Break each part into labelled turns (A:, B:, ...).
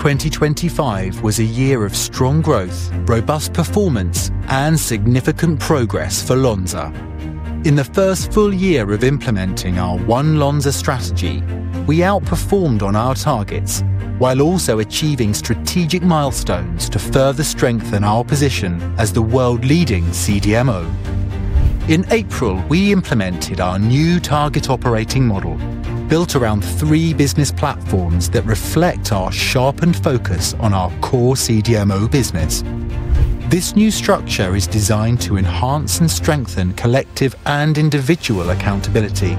A: 2025 was a year of strong growth, robust performance, and significant progress for Lonza. In the first full year of implementing our One Lonza strategy, we outperformed on our targets, while also achieving strategic milestones to further strengthen our position as the world-leading CDMO. In April, we implemented our new target operating model, built around three business platforms that reflect our sharpened focus on our core CDMO business. This new structure is designed to enhance and strengthen collective and individual accountability,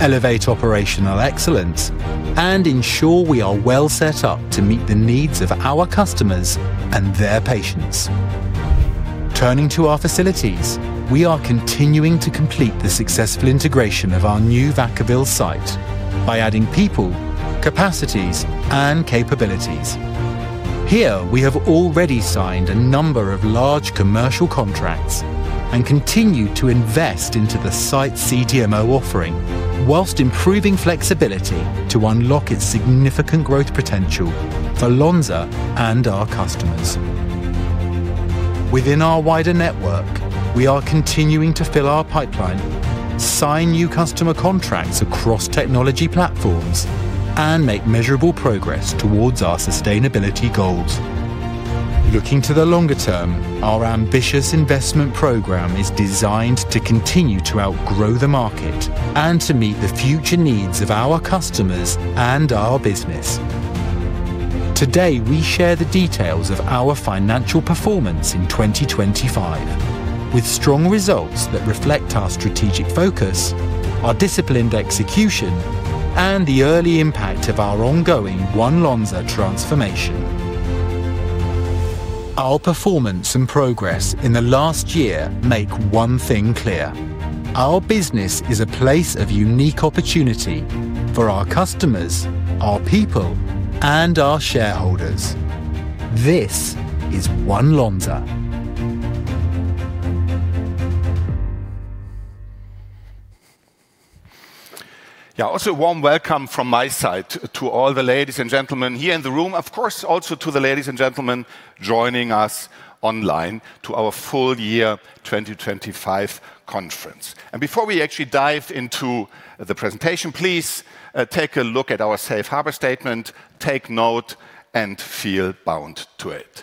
A: elevate operational excellence, and ensure we are well set up to meet the needs of our customers and their patients. Turning to our facilities, we are continuing to complete the successful integration of our new Vacaville site by adding people, capacities, and capabilities. Here, we have already signed a number of large commercial contracts and continue to invest into the site CDMO offering, while improving flexibility to unlock its significant growth potential for Lonza and our customers. Within our wider network, we are continuing to fill our pipeline, sign new customer contracts across technology platforms, and make measurable progress towards our sustainability goals. Looking to the longer term, our ambitious investment program is designed to continue to outgrow the market and to meet the future needs of our customers and our business. Today, we share the details of our financial performance in 2025, with strong results that reflect our strategic focus, our disciplined execution, and the early impact of our ongoing One Lonza transformation. Our performance and progress in the last year make one thing clear: Our business is a place of unique opportunity for our customers, our people, and our shareholders. This is One Lonza.
B: Yeah, also a warm welcome from my side to all the ladies and gentlemen here in the room. Of course, also to the ladies and gentlemen joining us online to our Full Year 2025 Conference. And before we actually dive into the presentation, please, take a look at our safe harbor statement, take note, and feel bound to it.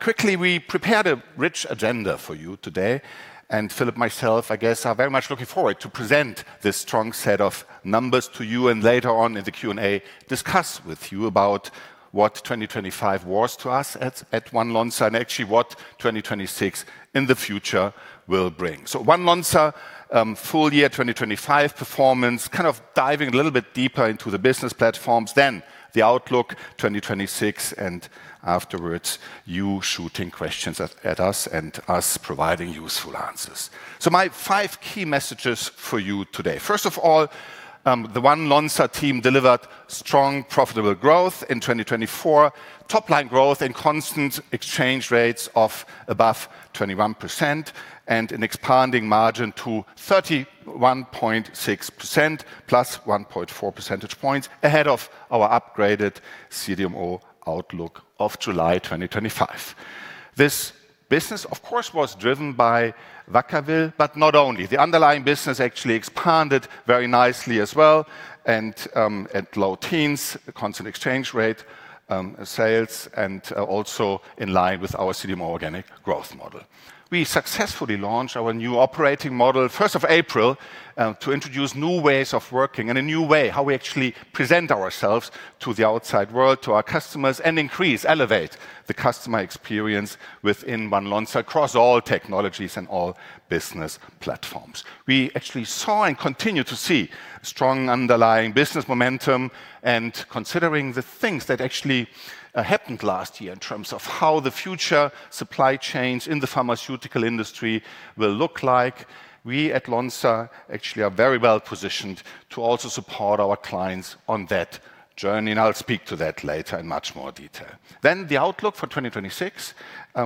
B: Quickly, we prepared a rich agenda for you today, and Philippe, myself, I guess, are very much looking forward to present this strong set of numbers to you, and later on in the Q&A, discuss with you about what 2025 was to us at, at One Lonza, and actually what 2026 in the future will bring. So One Lonza, full year 2025 performance, kind of diving a little bit deeper into the business platforms, then the outlook 2026, and afterwards, you shooting questions at, at us and us providing useful answers. So my five key messages for you today. First of all, the One Lonza team delivered strong, profitable growth in 2024. Top-line growth and constant exchange rates of above 21% and an expanding margin to 31.6%, +1.4 percentage points ahead of our upgraded CDMO outlook of July 2025. This business, of course, was driven by Vacaville, but not only. The underlying business actually expanded very nicely as well, and, at low teens, constant exchange rate, sales, and, also in line with our CDMO organic growth model. We successfully launched our new operating model, first of April, to introduce new ways of working and a new way, how we actually present ourselves to the outside world, to our customers, and increase, elevate the customer experience within One Lonza, across all technologies and all business platforms. We actually saw and continue to see strong underlying business momentum. Considering the things that actually happened last year in terms of how the future supply chains in the pharmaceutical industry will look like, we at Lonza actually are very well positioned to also support our clients on that journey, and I'll speak to that later in much more detail. Then the outlook for 2026,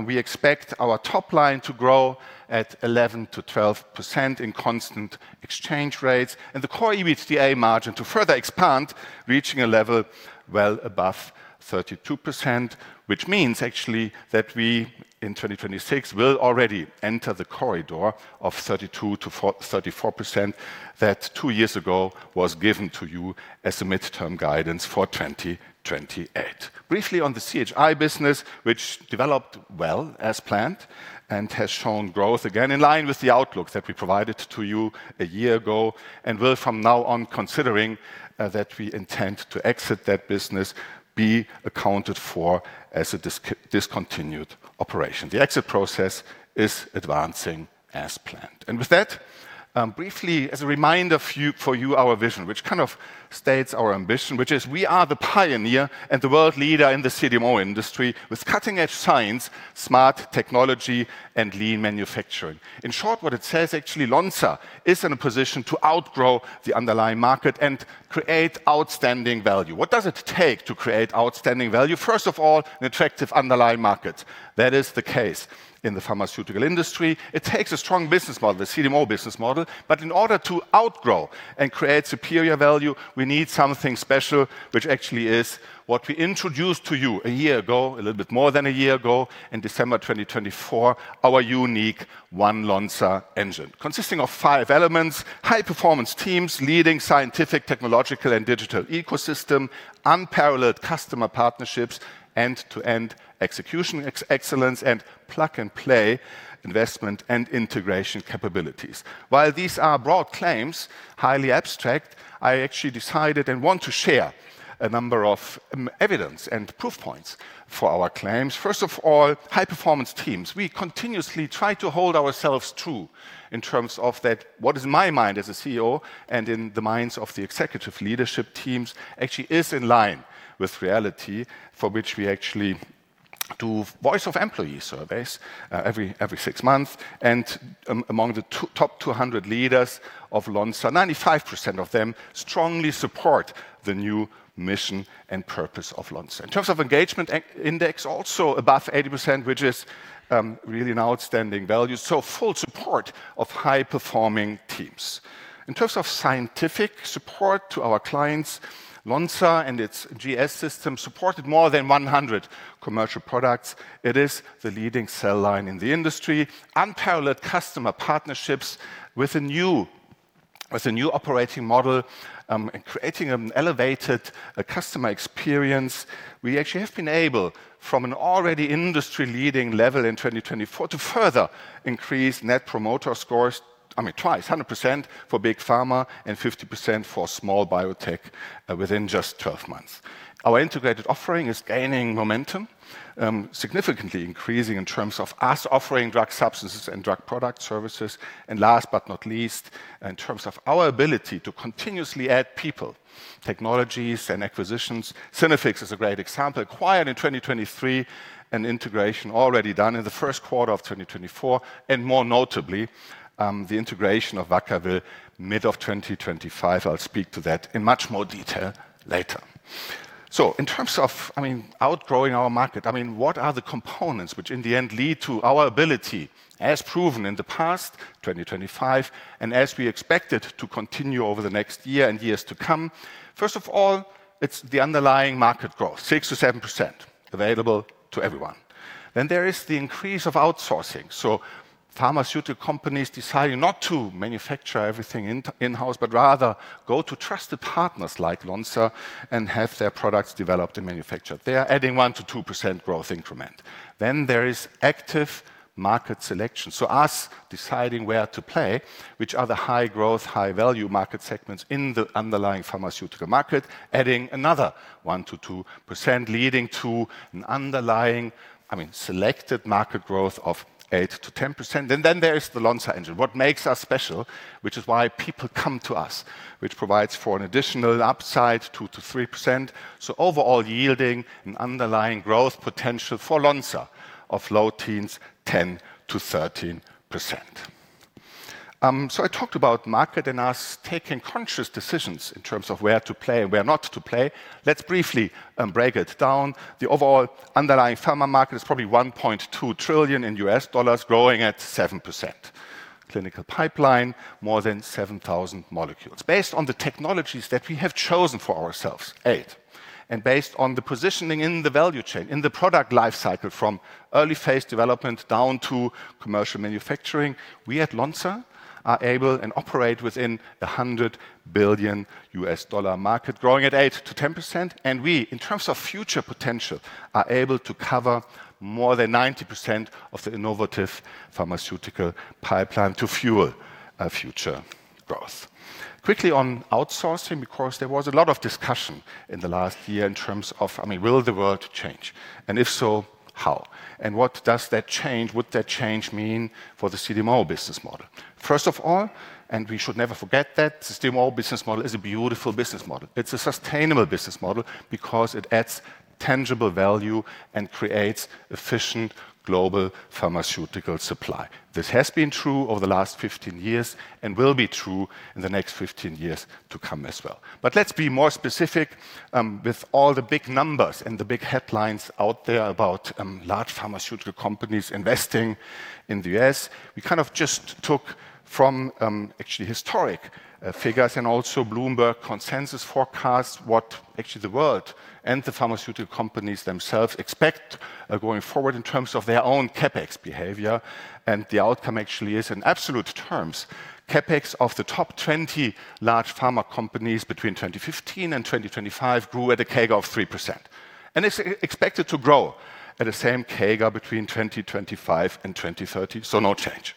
B: we expect our top line to grow at 11%-12% in constant exchange rates, and the Core EBITDA margin to further expand, reaching a level well above 32%, which means actually that we, in 2026, will already enter the corridor of 32%-34% that two years ago was given to you as a midterm guidance for 2028. Briefly on the CHI business, which developed well as planned and has shown growth again in line with the outlook that we provided to you a year ago, and will from now on, considering that we intend to exit that business, be accounted for as a discontinued operation. The exit process is advancing as planned. And with that, briefly, as a reminder for you, for you, our vision, which kind of states our ambition, which is: We are the pioneer and the world leader in the CDMO industry with cutting-edge science, smart technology, and lean manufacturing. In short, what it says, actually, Lonza is in a position to outgrow the underlying market and create outstanding value. What does it take to create outstanding value? First of all, an attractive underlying market. That is the case in the pharmaceutical industry. It takes a strong business model, the CDMO business model. But in order to outgrow and create superior value, we need something special, which actually is what we introduced to you a year ago, a little bit more than a year ago, in December 2024, our unique One Lonza engine, consisting of five elements: high-performance teams, leading scientific, technological, and digital ecosystem, unparalleled customer partnerships, end-to-end execution excellence, and plug-and-play investment and integration capabilities. While these are broad claims, highly abstract, I actually decided and want to share a number of evidence and proof points for our claims. First of all, high-performance teams. We continuously try to hold ourselves true in terms of that, what is in my mind as a CEO and in the minds of the executive leadership teams, actually is in line with reality, for which we actually do voice of employee surveys every six months, and among the top 200 leaders of Lonza, 95% of them strongly support the new mission and purpose of Lonza. In terms of engagement index, also above 80%, which is really an outstanding value, so full support of high-performing teams. In terms of scientific support to our clients, Lonza and its GS System supported more than 100 commercial products. It is the leading cell line in the industry, unparalleled customer partnerships with a new operating model, and creating an elevated customer experience. We actually have been able, from an already industry-leading level in 2024, to further increase Net Promoter Scores, I mean, 200% for big pharma and 50% for small biotech, within just 12 months. Our integrated offering is gaining momentum, significantly increasing in terms of us offering drug substances and drug product services, and last but not least, in terms of our ability to continuously add people, technologies, and acquisitions. Synaffix is a great example, acquired in 2023, and integration already done in the first quarter of 2024, and more notably, the integration of Vacaville, mid of 2025. I'll speak to that in much more detail later. So in terms of, I mean, outgrowing our market, I mean, what are the components which in the end lead to our ability, as proven in the past, 2025, and as we expected to continue over the next year and years to come? First of all, it's the underlying market growth, 6%-7% available to everyone. Then there is the increase of outsourcing. So pharmaceutical companies deciding not to manufacture everything in-house, but rather go to trusted partners like Lonza and have their products developed and manufactured. They are adding 1%-2% growth increment. Then there is active market selection, so us deciding where to play, which are the high growth, high value market segments in the underlying pharmaceutical market, adding another 1%-2%, leading to an underlying, I mean, selected market growth of 8%-10%. And then there is the Lonza engine. What makes us special, which is why people come to us, which provides for an additional upside, 2%-3%, so overall yielding an underlying growth potential for Lonza of low teens, 10%-13%. So I talked about market and us taking conscious decisions in terms of where to play and where not to play. Let's briefly break it down. The overall underlying pharma market is probably $1.2 trillion, growing at 7%. Clinical pipeline, more than 7,000 molecules. Based on the technologies that we have chosen for ourselves, eight, and based on the positioning in the value chain, in the product life cycle, from early phase development down to commercial manufacturing, we at Lonza are able and operate within a $100 billion market, growing at 8%-10%, and we, in terms of future potential, are able to cover more than 90% of the innovative pharmaceutical pipeline to fuel future growth. Quickly on outsourcing, because there was a lot of discussion in the last year in terms of, I mean, will the world change? And if so, how? And what does that change, would that change mean for the CDMO business model? First of all, and we should never forget that, CDMO business model is a beautiful business model. It's a sustainable business model because it adds tangible value and creates efficient global pharmaceutical supply. This has been true over the last 15 years and will be true in the next 15 years to come as well. But let's be more specific, with all the big numbers and the big headlines out there about, large pharmaceutical companies investing in the U.S. We kind of just took from, actually historic figures and also Bloomberg consensus forecasts, what actually the world and the pharmaceutical companies themselves expect, going forward in terms of their own CapEx behavior, and the outcome actually is in absolute terms. CapEx of the top 20 large pharma companies between 2015 and 2025 grew at a CAGR of 3%, and it's expected to grow at the same CAGR between 2025 and 2030, so no change.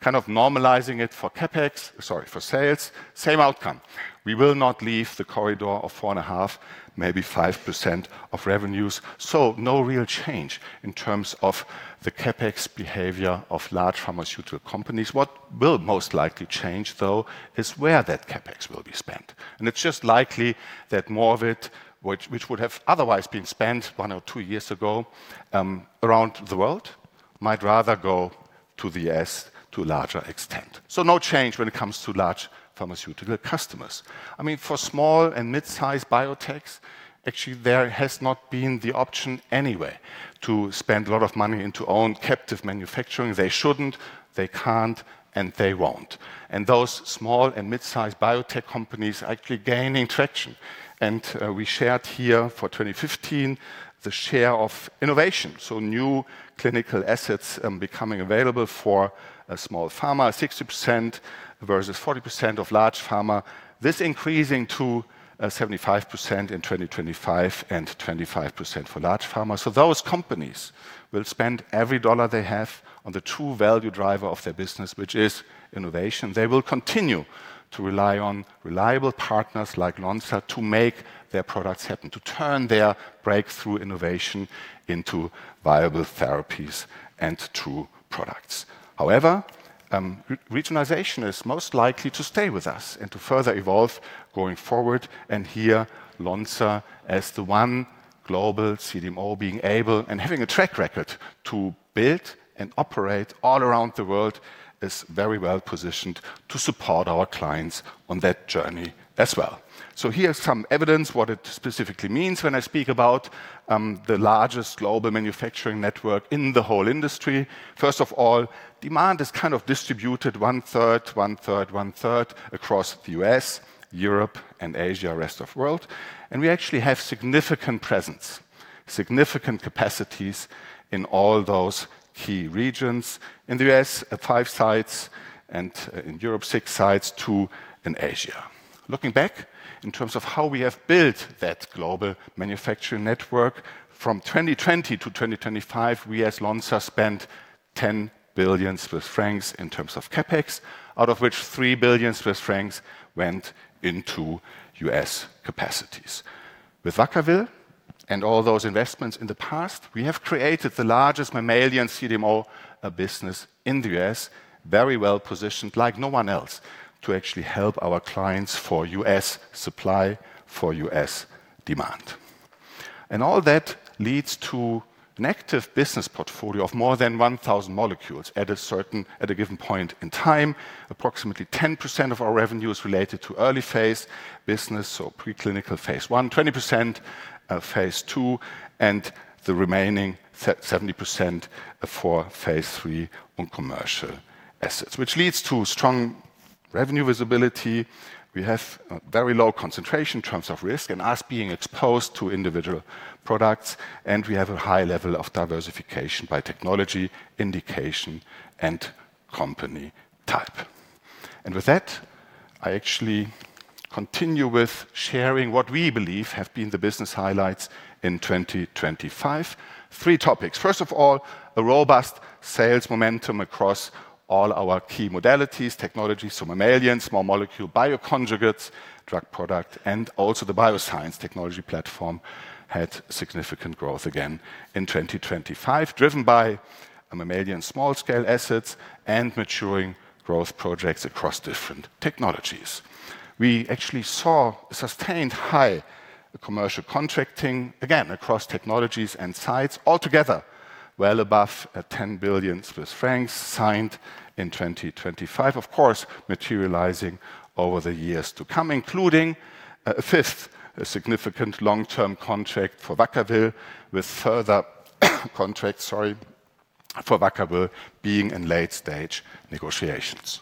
B: Kind of normalizing it for CapEx, sorry, for sales, same outcome. We will not leave the corridor of 4.5%, maybe 5% of revenues, so no real change in terms of the CapEx behavior of large pharmaceutical companies. What will most likely change, though, is where that CapEx will be spent. It's just likely that more of it, which would have otherwise been spent one or two years ago around the world, might rather go to the U.S. to a larger extent. So no change when it comes to large pharmaceutical customers. I mean, for small and mid-sized biotechs, actually, there has not been the option anyway to spend a lot of money and to own captive manufacturing. They shouldn't, they can't, and they won't. Those small and mid-sized biotech companies actually gaining traction, and we shared here for 2015, the share of innovation, so new clinical assets becoming available for a small pharma, 60%, versus 40% of large pharma. This increasing to 75% in 2025 and 25% for large pharma. So those companies will spend every dollar they have on the true value driver of their business, which is innovation. They will continue to rely on reliable partners like Lonza to make their products happen, to turn their breakthrough innovation into viable therapies and true products. However, regionalization is most likely to stay with us and to further evolve going forward. Here, Lonza, as the one global CDMO being able and having a track record to build and operate all around the world, is very well positioned to support our clients on that journey as well. Here's some evidence what it specifically means when I speak about the largest global manufacturing network in the whole industry. First of all, demand is kind of distributed one third, one third, one third across the U.S., Europe and Asia, rest of world. We actually have significant presence, significant capacities in all those key regions. In the U.S., at five sites, and in Europe, six sites, two in Asia. Looking back, in terms of how we have built that global manufacturing network from 2020 to 2025, we as Lonza spent 10 billion Swiss francs in terms of CapEx, out of which 3 billion Swiss francs went into U.S. capacities. With Vacaville and all those investments in the past, we have created the largest mammalian CDMO business in the U.S., very well positioned like no one else, to actually help our clients for U.S. supply, for U.S. demand. All that leads to an active business portfolio of more than 1,000 molecules at a certain... at a given point in time. Approximately 10% of our revenue is related to early phase business, so preclinical phase I, 20%, phase III, and the remaining seventy percent for phase III on commercial assets, which leads to strong revenue visibility. We have a very low concentration in terms of risk and us being exposed to individual products, and we have a high level of diversification by technology, indication, and company type. With that, I actually continue with sharing what we believe have been the business highlights in 2025. Three topics. First of all, a robust sales momentum across all our key modalities, technologies, so mammalian, small molecule, bioconjugates, drug product, and also the Bioscience technology platform had significant growth again in 2025, driven by a mammalian small-scale assets and maturing growth projects across different technologies. We actually saw a sustained high commercial contracting, again, across technologies and sites altogether, well above 10 billion Swiss francs signed in 2025. Of course, materializing over the years to come, including, fifth, a significant long-term contract for Vacaville, with further contracts, sorry, for Vacaville being in late-stage negotiations.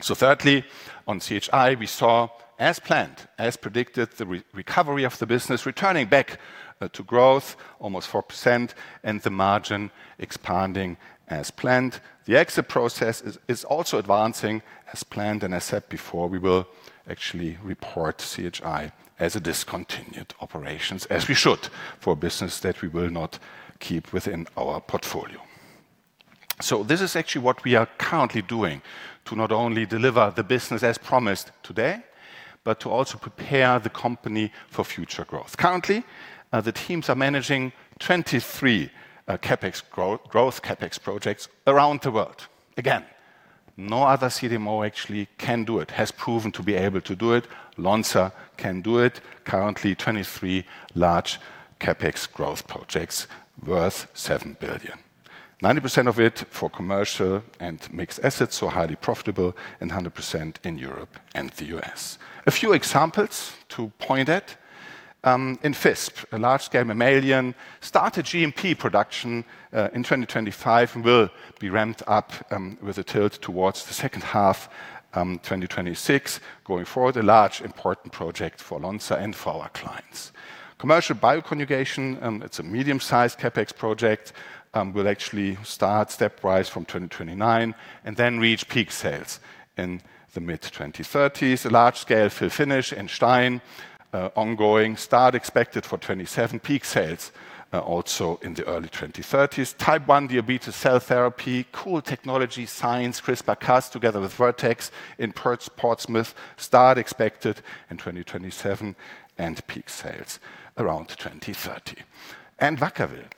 B: So thirdly, on CHI, we saw, as planned, as predicted, the recovery of the business, returning back to growth almost 4% and the margin expanding as planned. The exit process is also advancing as planned, and I said before, we will actually report CHI as discontinued operations, as we should, for a business that we will not keep within our portfolio. So this is actually what we are currently doing to not only deliver the business as promised today, but to also prepare the company for future growth. Currently, the teams are managing 23 CapEx growth projects around the world. Again, no other CDMO actually can do it, has proven to be able to do it. Lonza can do it. Currently, 23 large CapEx growth projects worth 7 billion. 90% of it for commercial and mixed assets, so highly profitable, and 100% in Europe and the U.S. A few examples to point at, in Visp, a large-scale mammalian, started GMP production in 2025 and will be ramped up with a tilt towards the second half 2026. Going forward, a large important project for Lonza and for our clients. Commercial bioconjugation, it's a medium-sized CapEx project, will actually start stepwise from 2029 and then reach peak sales in the mid-2030s. A large scale fill finish in Stein, ongoing. Start expected for 2027. Peak sales also in the early 2030s. Type 1 diabetes cell therapy, cool technology science, CRISPR-Cas together with Vertex in Portsmouth. Start expected in 2027, and peak sales around 2030. Vacaville,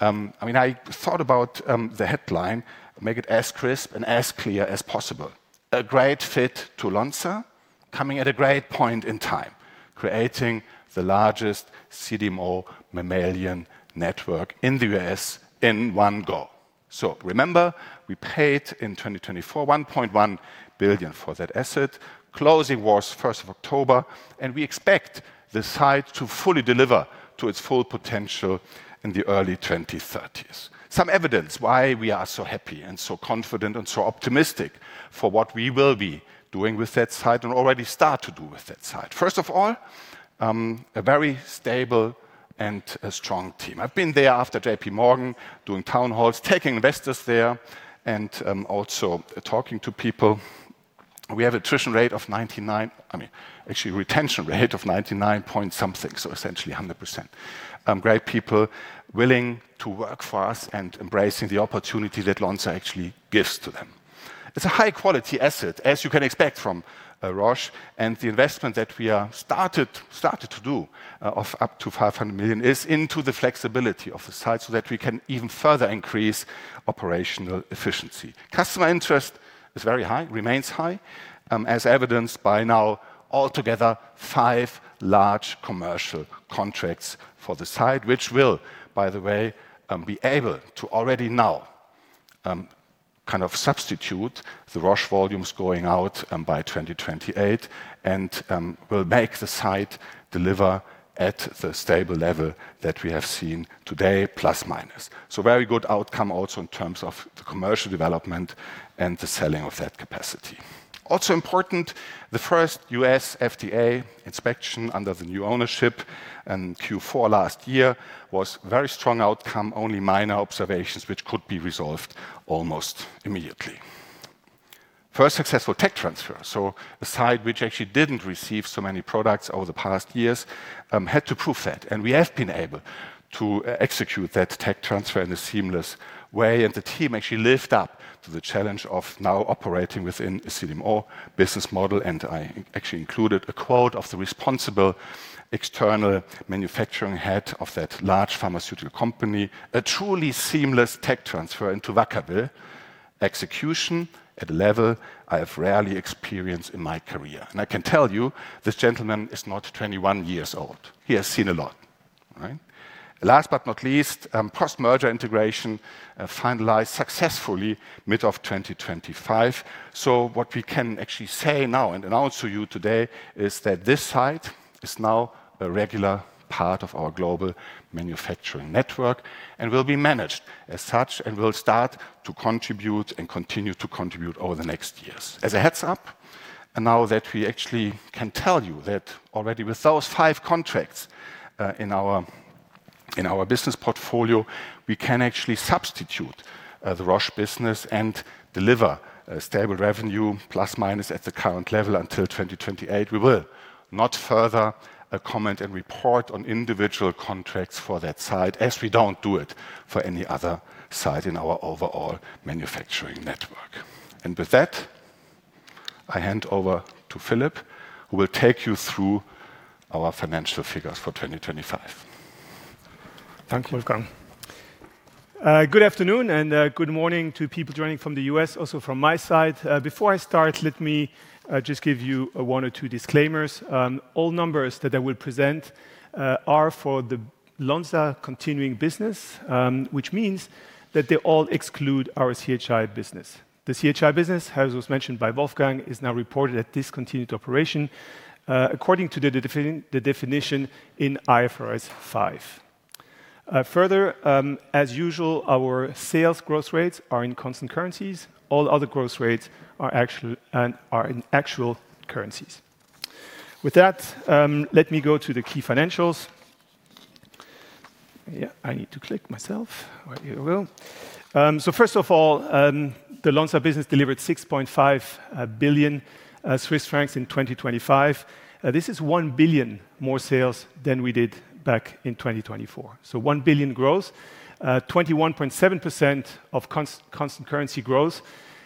B: I mean, I thought about the headline, make it as crisp and as clear as possible. A great fit to Lonza, coming at a great point in time, creating the largest CDMO mammalian network in the U.S. in one go. So remember, we paid in 2024, $1.1 billion for that asset. Closing was first of October, and we expect the site to fully deliver to its full potential in the early 2030s. Some evidence why we are so happy and so confident and so optimistic for what we will be doing with that site and already start to do with that site. First of all, a very stable and a strong team. I've been there after JPMorgan, doing town halls, taking investors there, and also talking to people. We have attrition rate of 99- I mean, actually, retention rate of 99.something, so essentially 100%. Great people willing to work for us and embracing the opportunity that Lonza actually gives to them. It's a high-quality asset, as you can expect from Roche, and the investment that we started to do of up to 500 million is into the flexibility of the site, so that we can even further increase operational efficiency. Customer interest is very high, remains high, as evidenced by now altogether 5 large commercial contracts for the site, which will, by the way, be able to already now kind of substitute the Roche volumes going out, by 2028. And will make the site deliver at the stable level that we have seen today, ±. So very good outcome also in terms of the commercial development and the selling of that capacity. Also important, the first U.S. FDA inspection under the new ownership in Q4 last year, was very strong outcome, only minor observations, which could be resolved almost immediately. First successful tech transfer, so a site which actually didn't receive so many products over the past years, had to prove that. And we have been able to execute that tech transfer in a seamless way, and the team actually lived up to the challenge of now operating within CDMO business model. And I actually included a quote of the responsible external manufacturing head of that large pharmaceutical company, "A truly seamless tech transfer into Vacaville. Execution at a level I have rarely experienced in my career." And I can tell you, this gentleman is not 21 years old. He has seen a lot, right? Last but not least, post-merger integration finalized successfully mid of 2025. So what we can actually say now and announce to you today is that this site is now a regular part of our global manufacturing network, and will be managed as such, and will start to contribute and continue to contribute over the next years. As a heads-up, and now that we actually can tell you that already with those five contracts in our business portfolio, we can actually substitute the Roche business and deliver a stable revenue, plus minus, at the current level until 2028. We will not further comment and report on individual contracts for that site, as we don't do it for any other site in our overall manufacturing network. With that, I hand over to Philippe, who will take you through our financial figures for 2025. Thank you.
C: Welcome. Good afternoon, and good morning to people joining from the U.S., also from my side. Before I start, let me just give you one or two disclaimers. All numbers that I will present are for the Lonza continuing business, which means that they all exclude our CHI business. The CHI business, as was mentioned by Wolfgang, is now reported at discontinued operation, according to the definition in IFRS 5. Further, as usual, our sales growth rates are in constant currencies. All other growth rates are actual, are in actual currencies. With that, let me go to the key financials. Yeah, I need to click myself. Well, here we go. So first of all, the Lonza business delivered 6.5 billion Swiss francs in 2025. This is 1 billion more sales than we did back in 2024. So 1 billion growth, 21.7% constant currency growth.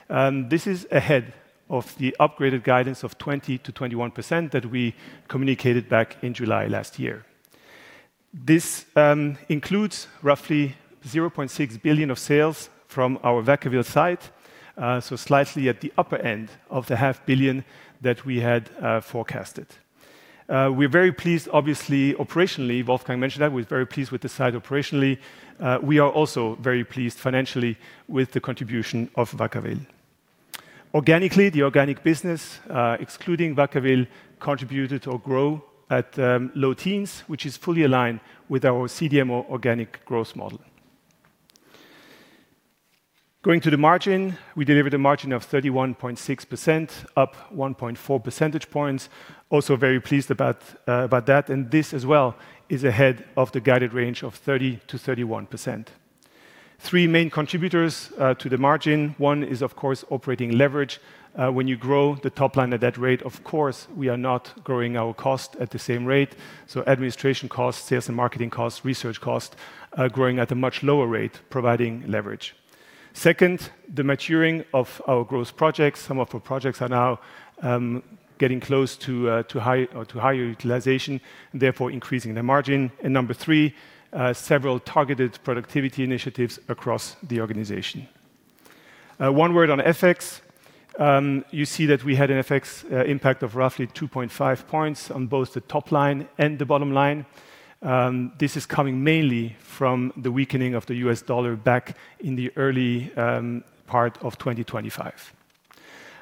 C: This is ahead of the upgraded guidance of 20%-21% that we communicated back in July last year. This includes roughly 0.6 billion of sales from our Vacaville site. So slightly at the upper end of the 0.5 billion that we had forecasted. We're very pleased, obviously, operationally, Wolfgang mentioned that we're very pleased with the site operationally. We are also very pleased financially with the contribution of Vacaville. Organically, the organic business, excluding Vacaville, contributed or grow at low teens, which is fully aligned with our CDMO organic growth model. Going to the margin, we delivered a margin of 31.6%, up 1.4 percentage points. Also very pleased about, about that, and this as well is ahead of the guided range of 30%-31%. Three main contributors to the margin: one is, of course, operating leverage. When you grow the top line at that rate, of course, we are not growing our cost at the same rate. So administration costs, sales and marketing costs, research cost, are growing at a much lower rate, providing leverage. Second, the maturing of our growth projects. Some of our projects are now getting close to high or to higher utilization, therefore, increasing the margin. And number three, several targeted productivity initiatives across the organization. One word on FX. You see that we had an FX impact of roughly 2.5 points on both the top line and the bottom line. This is coming mainly from the weakening of the U.S. dollar back in the early part of 2025.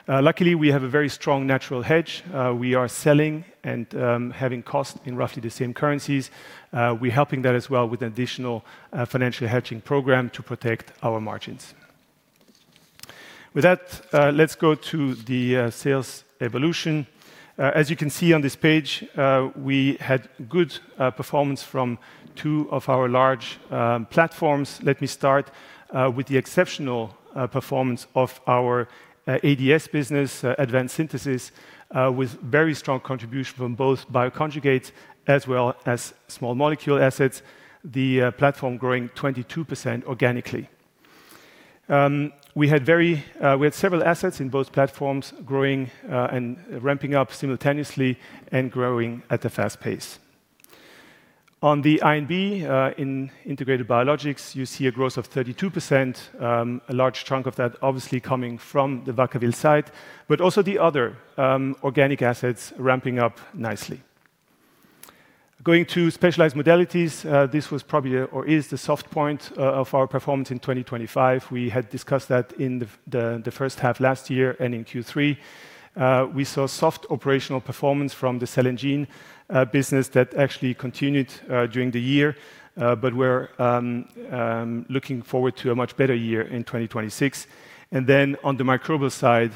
C: Luckily, we have a very strong natural hedge. We are selling and having cost in roughly the same currencies. We're helping that as well with additional financial hedging program to protect our margins. With that, let's go to the sales evolution. As you can see on this page, we had good performance from two of our large platforms. Let me start with the exceptional performance of our ADS business, advanced synthesis, with very strong contribution from both bioconjugates as well as small molecule assets, the platform growing 22% organically. We had several assets in both platforms growing and ramping up simultaneously and growing at a fast pace. On the I&B, in Integrated Biologics, you see a growth of 32%, a large chunk of that obviously coming from the Vacaville site, but also the other organic assets ramping up nicely. Going to Specialized Modalities, this was probably or is the soft point of our performance in 2025. We had discussed that in the first half last year and in Q3. We saw soft operational performance from the Cell and Gene business that actually continued during the year, but we're looking forward to a much better year in 2026. And then on the Microbial side,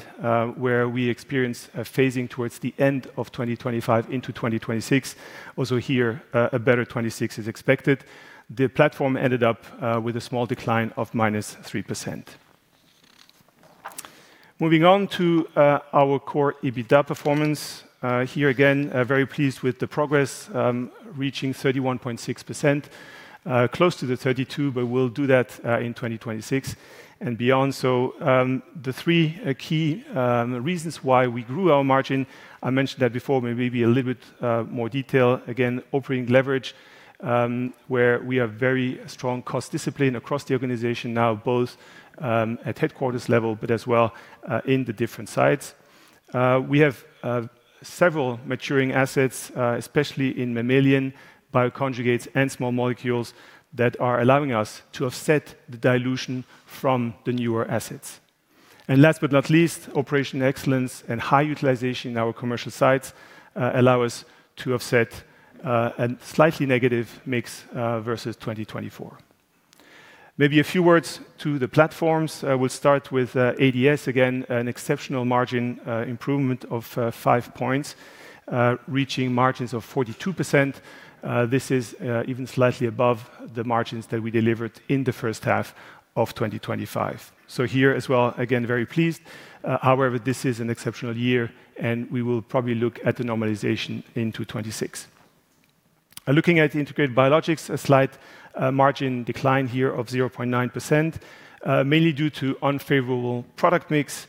C: where we experienced a phasing towards the end of 2025 into 2026, also here, a better 2026 is expected. The platform ended up with a small decline of -3%. Moving on to our core EBITDA performance. Here again, very pleased with the progress, reaching 31.6%, close to the 32, but we'll do that in 2026 and beyond. So, the three key reasons why we grew our margin, I mentioned that before, maybe a little bit more detail. Again, operating leverage, where we have very strong cost discipline across the organization now, both at headquarters level, but as well in the different sites. We have several maturing assets, especially in mammalian bioconjugates and small molecules, that are allowing us to offset the dilution from the newer assets. And last but not least, operational excellence and high utilization in our commercial sites allow us to offset a slightly negative mix versus 2024. Maybe a few words to the platforms. I will start with ADS. Again, an exceptional margin improvement of 5 points, reaching margins of 42%. This is even slightly above the margins that we delivered in the first half of 2025. So here as well, again, very pleased. However, this is an exceptional year, and we will probably look at the normalization in 2026. Looking at the Integrated Biologics, a slight margin decline here of 0.9%, mainly due to unfavorable product mix,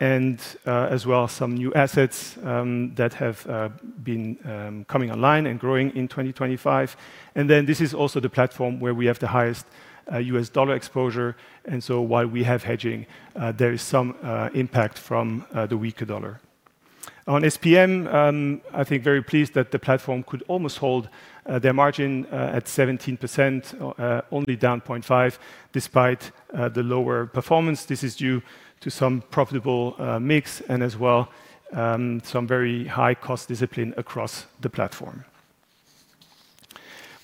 C: and as well as some new assets that have been coming online and growing in 2025. And then this is also the platform where we have the highest U.S. dollar exposure, and so while we have hedging, there is some impact from the weaker dollar. On SPM, I think very pleased that the platform could almost hold their margin at 17%, only down 0.5, despite the lower performance. This is due to some profitable mix and as well, some very high cost discipline across the platform.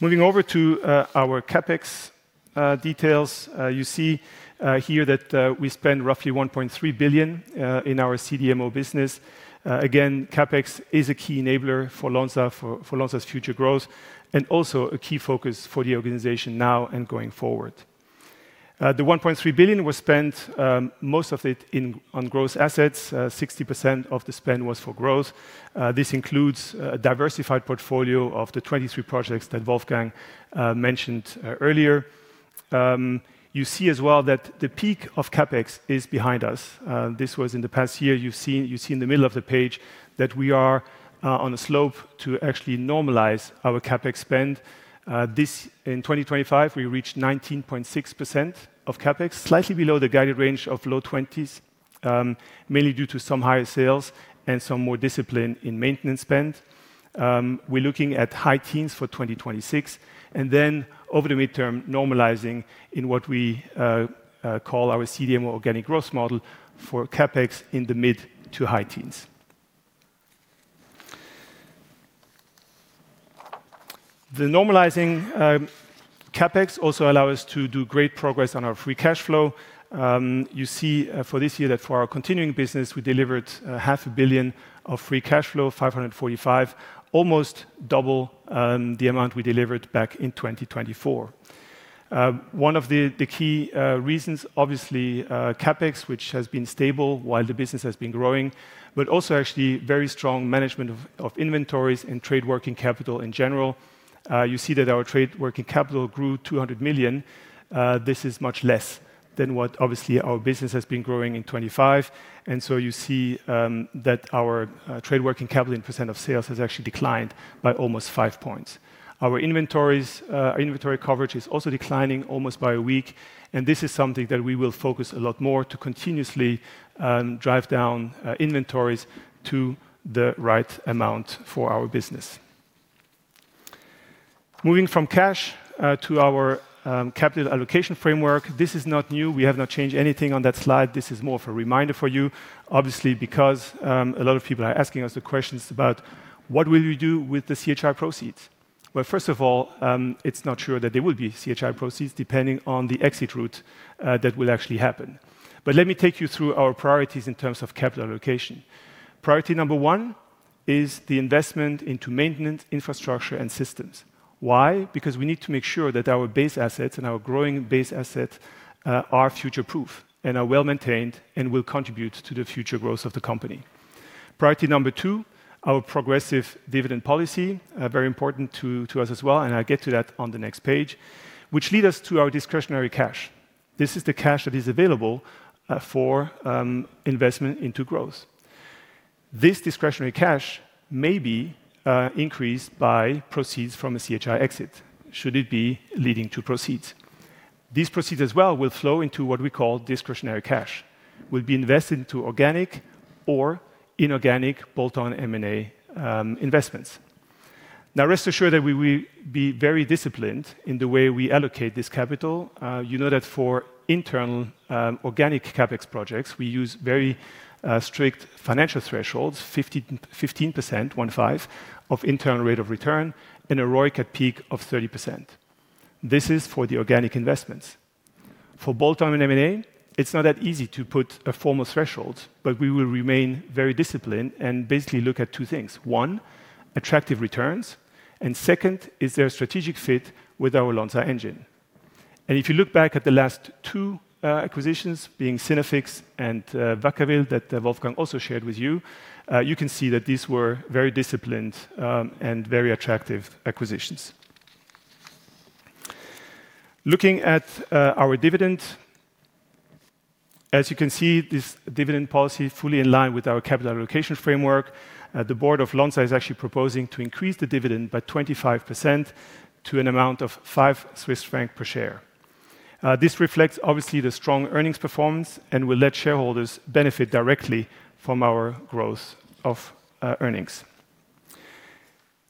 C: Moving over to our CapEx details. You see here that we spent roughly 1.3 billion in our CDMO business. Again, CapEx is a key enabler for Lonza, for Lonza's future growth, and also a key focus for the organization now and going forward. The 1.3 billion was spent, most of it in on growth assets. 60% of the spend was for growth. This includes a diversified portfolio of the 23 projects that Wolfgang mentioned earlier. You see as well that the peak of CapEx is behind us. This was in the past year. You see, you see in the middle of the page that we are on a slope to actually normalize our CapEx spend. This... In 2025, we reached 19.6% of CapEx, slightly below the guided range of low 20s, mainly due to some higher sales and some more discipline in maintenance spend. We're looking at high teens for 2026, and then over the midterm, normalizing in what we call our CDMO organic growth model for CapEx in the mid- to high teens. The normalizing CapEx also allow us to do great progress on our free cash flow. You see, for this year that for our continuing business, we delivered 500 million of free cash flow, 545, almost double the amount we delivered back in 2024. One of the key reasons, obviously, CapEx, which has been stable while the business has been growing, but also actually very strong management of inventories and trade working capital in general. You see that our trade working capital grew 200 million. This is much less than what obviously our business has been growing in 2025. And so you see that our trade working capital in percent of sales has actually declined by almost five points. Our inventories, our inventory coverage is also declining almost by a week, and this is something that we will focus a lot more to continuously drive down inventories to the right amount for our business. Moving from cash to our capital allocation framework, this is not new. We have not changed anything on that slide. This is more of a reminder for you, obviously, because a lot of people are asking us the questions about: What will we do with the CHI proceeds? Well, first of all, it's not sure that there will be CHI proceeds, depending on the exit route that will actually happen. But let me take you through our priorities in terms of capital allocation. Priority number one is the investment into maintenance, infrastructure, and systems. Why? Because we need to make sure that our base assets and our growing base assets are future-proof and are well-maintained and will contribute to the future growth of the company.... Priority number two, our progressive dividend policy, very important to us as well, and I'll get to that on the next page, which lead us to our discretionary cash. This is the cash that is available for investment into growth. This discretionary cash may be increased by proceeds from a CHI exit, should it be leading to proceeds. These proceeds as well will flow into what we call discretionary cash, will be invested into organic or inorganic bolt-on M&A investments. Now, rest assured that we will be very disciplined in the way we allocate this capital. You know that for internal organic CapEx projects, we use very strict financial thresholds, 50-15%, 15, of internal rate of return and a ROIC at peak of 30%. This is for the organic investments. For bolt-on and M&A, it's not that easy to put a formal threshold, but we will remain very disciplined and basically look at two things: one, attractive returns, and second, is there a strategic fit with our Lonza engine? If you look back at the last two acquisitions, being Synaffix and Vacaville, that Wolfgang also shared with you, you can see that these were very disciplined and very attractive acquisitions. Looking at our dividend, as you can see, this dividend policy fully in line with our capital allocation framework. The board of Lonza is actually proposing to increase the dividend by 25% to an amount of 5 Swiss francs per share. This reflects obviously the strong earnings performance and will let shareholders benefit directly from our growth of earnings.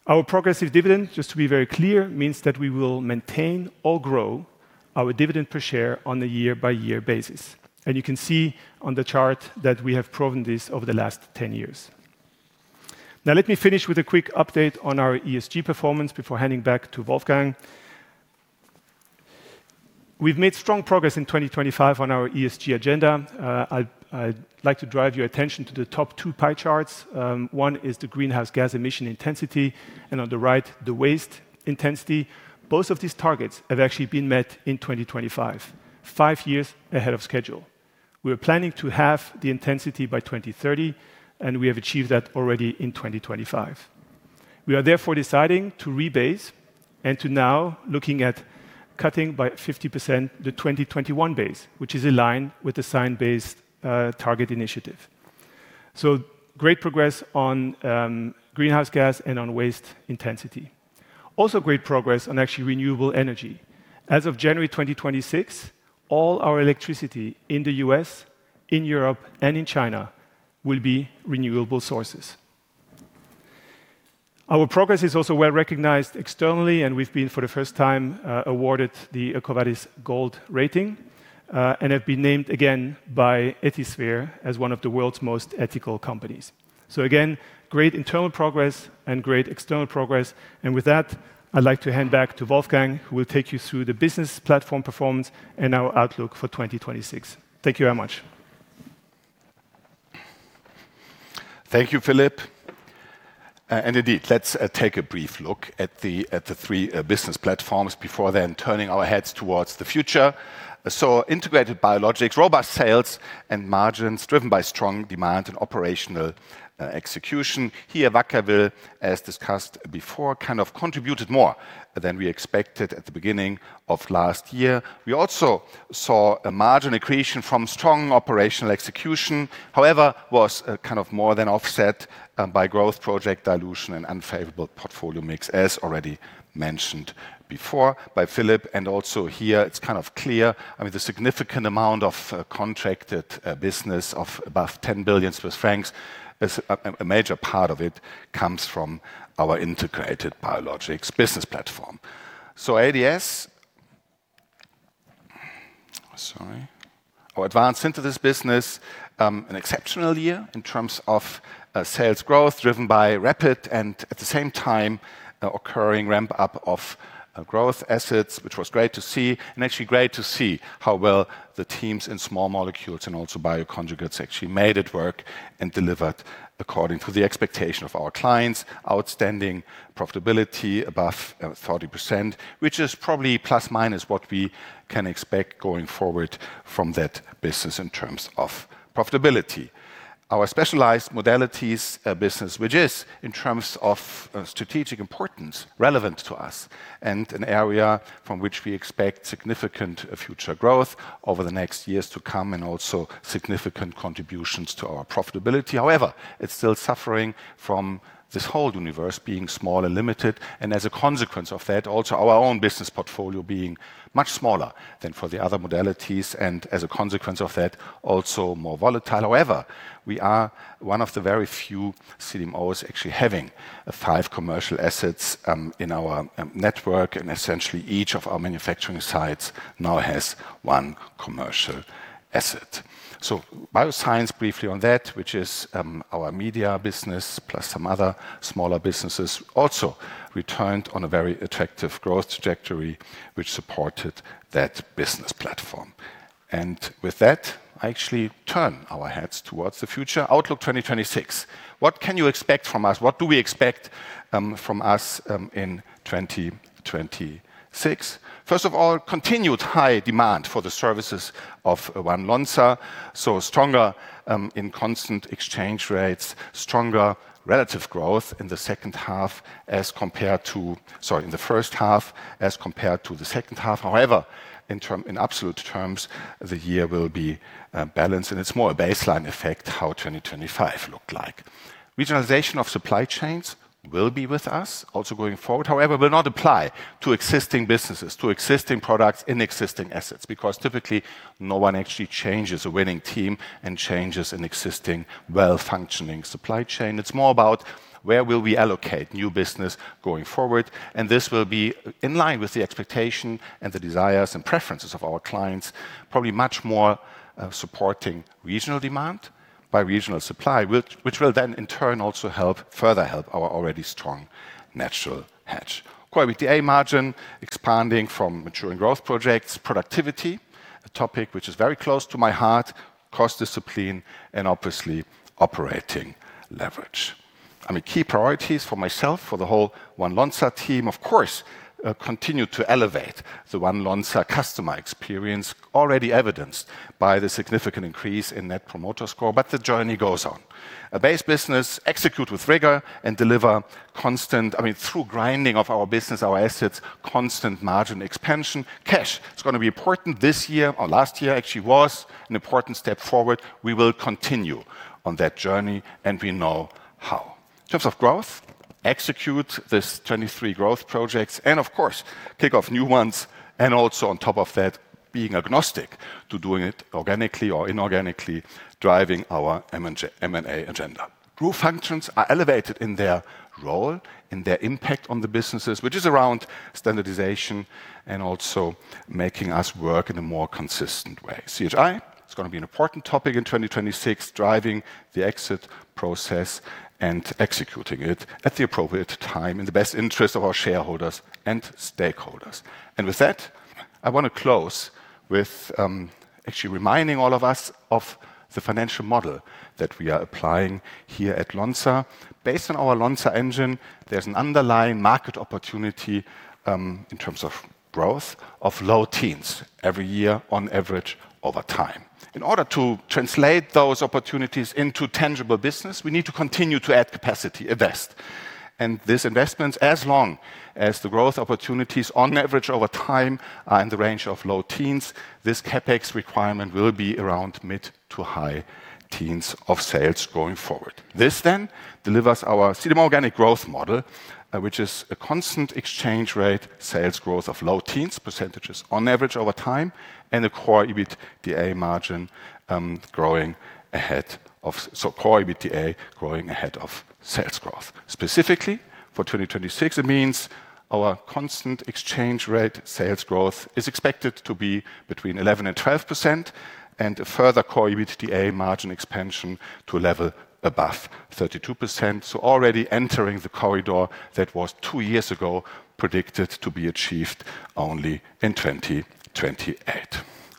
C: Our progressive dividend, just to be very clear, means that we will maintain or grow our dividend per share on a year-by-year basis. You can see on the chart that we have proven this over the last 10 years. Now, let me finish with a quick update on our ESG performance before handing back to Wolfgang. We've made strong progress in 2025 on our ESG agenda. I'd, I'd like to drive your attention to the top two pie charts. One is the greenhouse gas emission intensity, and on the right, the waste intensity. Both of these targets have actually been met in 2025, five years ahead of schedule. We were planning to halve the intensity by 2030, and we have achieved that already in 2025. We are therefore deciding to rebase and to now looking at cutting by 50% the 2021 base, which is in line with the Science Based Targets initiative. So great progress on greenhouse gas and on waste intensity. Also, great progress on actually renewable energy. As of January 2026, all our electricity in the U.S., in Europe, and in China will be renewable sources. Our progress is also well-recognized externally, and we've been, for the first time, awarded the EcoVadis Gold Rating and have been named again by Ethisphere as one of the world's most ethical companies. So again, great internal progress and great external progress. And with that, I'd like to hand back to Wolfgang, who will take you through the business platform performance and our outlook for 2026. Thank you very much.
B: Thank you, Philippe. And indeed, let's take a brief look at the three business platforms before then turning our heads towards the future. Integrated Biologics, robust sales and margins, driven by strong demand and operational execution. Here, Vacaville, as discussed before, kind of contributed more than we expected at the beginning of last year. We also saw a margin accretion from strong operational execution. However, was kind of more than offset by growth project dilution and unfavorable portfolio mix, as already mentioned before by Philippe. And also here, it's kind of clear, I mean, the significant amount of contracted business of above 10 billion Swiss francs, as a major part of it comes from our Integrated Biologics business platform. So ADS... Sorry. Our Advanced Synthesis business, an exceptional year in terms of sales growth, driven by rapid and at the same time occurring ramp-up of growth assets, which was great to see, and actually great to see how well the teams in Small Molecules and also Bioconjugates actually made it work and delivered according to the expectation of our clients. Outstanding profitability above 30%, which is probably plus, minus what we can expect going forward from that business in terms of profitability. Our Specialized Modalities business, which is, in terms of strategic importance, relevant to us and an area from which we expect significant future growth over the next years to come, and also significant contributions to our profitability. However, it's still suffering from this whole universe being small and limited, and as a consequence of that, also our own business portfolio being much smaller than for the other modalities, and as a consequence of that, also more volatile. However, we are one of the very few CDMOs actually having five commercial assets in our network, and essentially, each of our manufacturing sites now has one commercial asset. So Bioscience, briefly on that, which is our media business, plus some other smaller businesses, also returned on a very attractive growth trajectory, which supported that business platform. And with that, I actually turn our heads towards the future. Outlook 2026. What can you expect from us? What do we expect from us in 2026? First of all, continued high demand for the services of One Lonza. So stronger in constant exchange rates, stronger relative growth in the second half as compared to... Sorry, in the first half as compared to the second half. However, in absolute terms, the year will be balanced, and it's more a baseline effect, how 2025 looked like. Regionalization of supply chains will be with us, also going forward. However, will not apply to existing businesses, to existing products in existing assets, because typically, no one actually changes a winning team and changes an existing well-functioning supply chain. It's more about where will we allocate new business going forward, and this will be in line with the expectation and the desires and preferences of our clients. Probably much more supporting regional demand by regional supply, which will then in turn also help, further help our already strong natural hedge. Core EBITDA margin expanding from maturing growth projects. Productivity, a topic which is very close to my heart, cost discipline, and obviously, operating leverage. I mean, key priorities for myself, for the whole One Lonza team, of course, continue to elevate the One Lonza customer experience, already evidenced by the significant increase in net promoter score, but the journey goes on. A base business execute with rigor and deliver constant- I mean, through grinding of our business, our assets, constant margin expansion. Cash, it's gonna be important this year, or last year actually was an important step forward. We will continue on that journey, and we know how. In terms of growth, execute these 23 growth projects, and of course, kick off new ones, and also on top of that, being agnostic to doing it organically or inorganically, driving our M and J- M&A agenda. Group functions are elevated in their role and their impact on the businesses, which is around standardization and also making us work in a more consistent way. CGI, it's gonna be an important topic in 2026, driving the exit process and executing it at the appropriate time in the best interest of our shareholders and stakeholders. And with that, I want to close with, actually reminding all of us of the financial model that we are applying here at Lonza. Based on our Lonza engine, there's an underlying market opportunity, in terms of growth, of low teens every year on average over time. In order to translate those opportunities into tangible business, we need to continue to add capacity, invest. This investment, as long as the growth opportunities on average over time are in the range of low teens, this CapEx requirement will be around mid- to high-teens % of sales going forward. This then delivers our CDMO organic growth model, which is a constant exchange rate, sales growth of low teens % on average over time, and a core EBITDA margin, growing ahead of... So core EBITDA growing ahead of sales growth. Specifically, for 2026, it means our constant exchange rate sales growth is expected to be between 11% and 12%, and a further core EBITDA margin expansion to a level above 32%. So already entering the corridor that was two years ago predicted to be achieved only in 2028.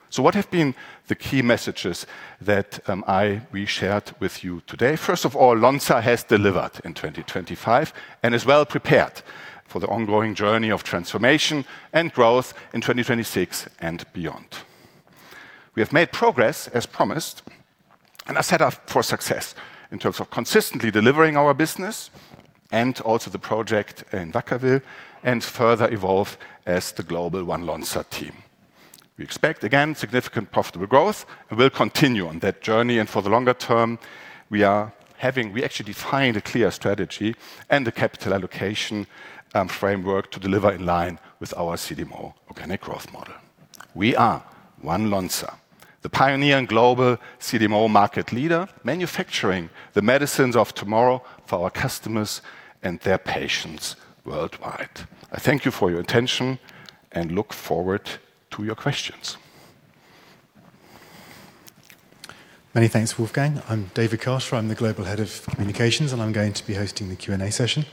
B: So what have been the key messages that, I, we shared with you today? First of all, Lonza has delivered in 2025 and is well prepared for the ongoing journey of transformation and growth in 2026 and beyond. We have made progress, as promised, and are set up for success in terms of consistently delivering our business and also the project in Vacaville, and further evolve as the global One Lonza team. We expect, again, significant profitable growth and will continue on that journey. And for the longer term, we actually defined a clear strategy and a capital allocation framework to deliver in line with our CDMO organic growth model. We are One Lonza, the pioneer and global CDMO market leader, manufacturing the medicines of tomorrow for our customers and their patients worldwide. I thank you for your attention and look forward to your questions.
D: Many thanks, Wolfgang. I'm David Carter. I'm the Global Head of Communications, and I'm going to be hosting the Q&A session.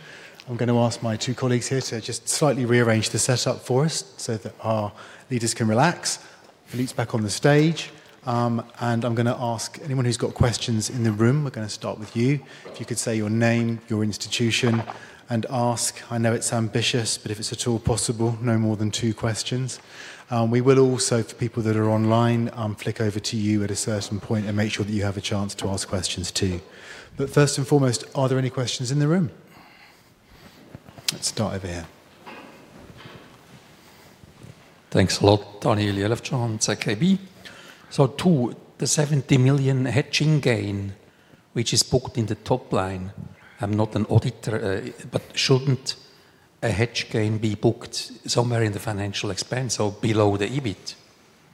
D: I'm gonna ask my two colleagues here to just slightly rearrange the setup for us so that our leaders can relax. Philippe's back on the stage. And I'm gonna ask anyone who's got questions in the room, we're gonna start with you. If you could say your name, your institution, and ask. I know it's ambitious, but if it's at all possible, no more than two questions. We will also, for people that are online, flick over to you at a certain point and make sure that you have a chance to ask questions too. But first and foremost, are there any questions in the room? Let's start over here.
E: Thanks a lot. Daniel Jelovcan on ZKB. So to the 70 million hedging gain, which is booked in the top line, I'm not an auditor, but shouldn't a hedge gain be booked somewhere in the financial expense or below the EBIT?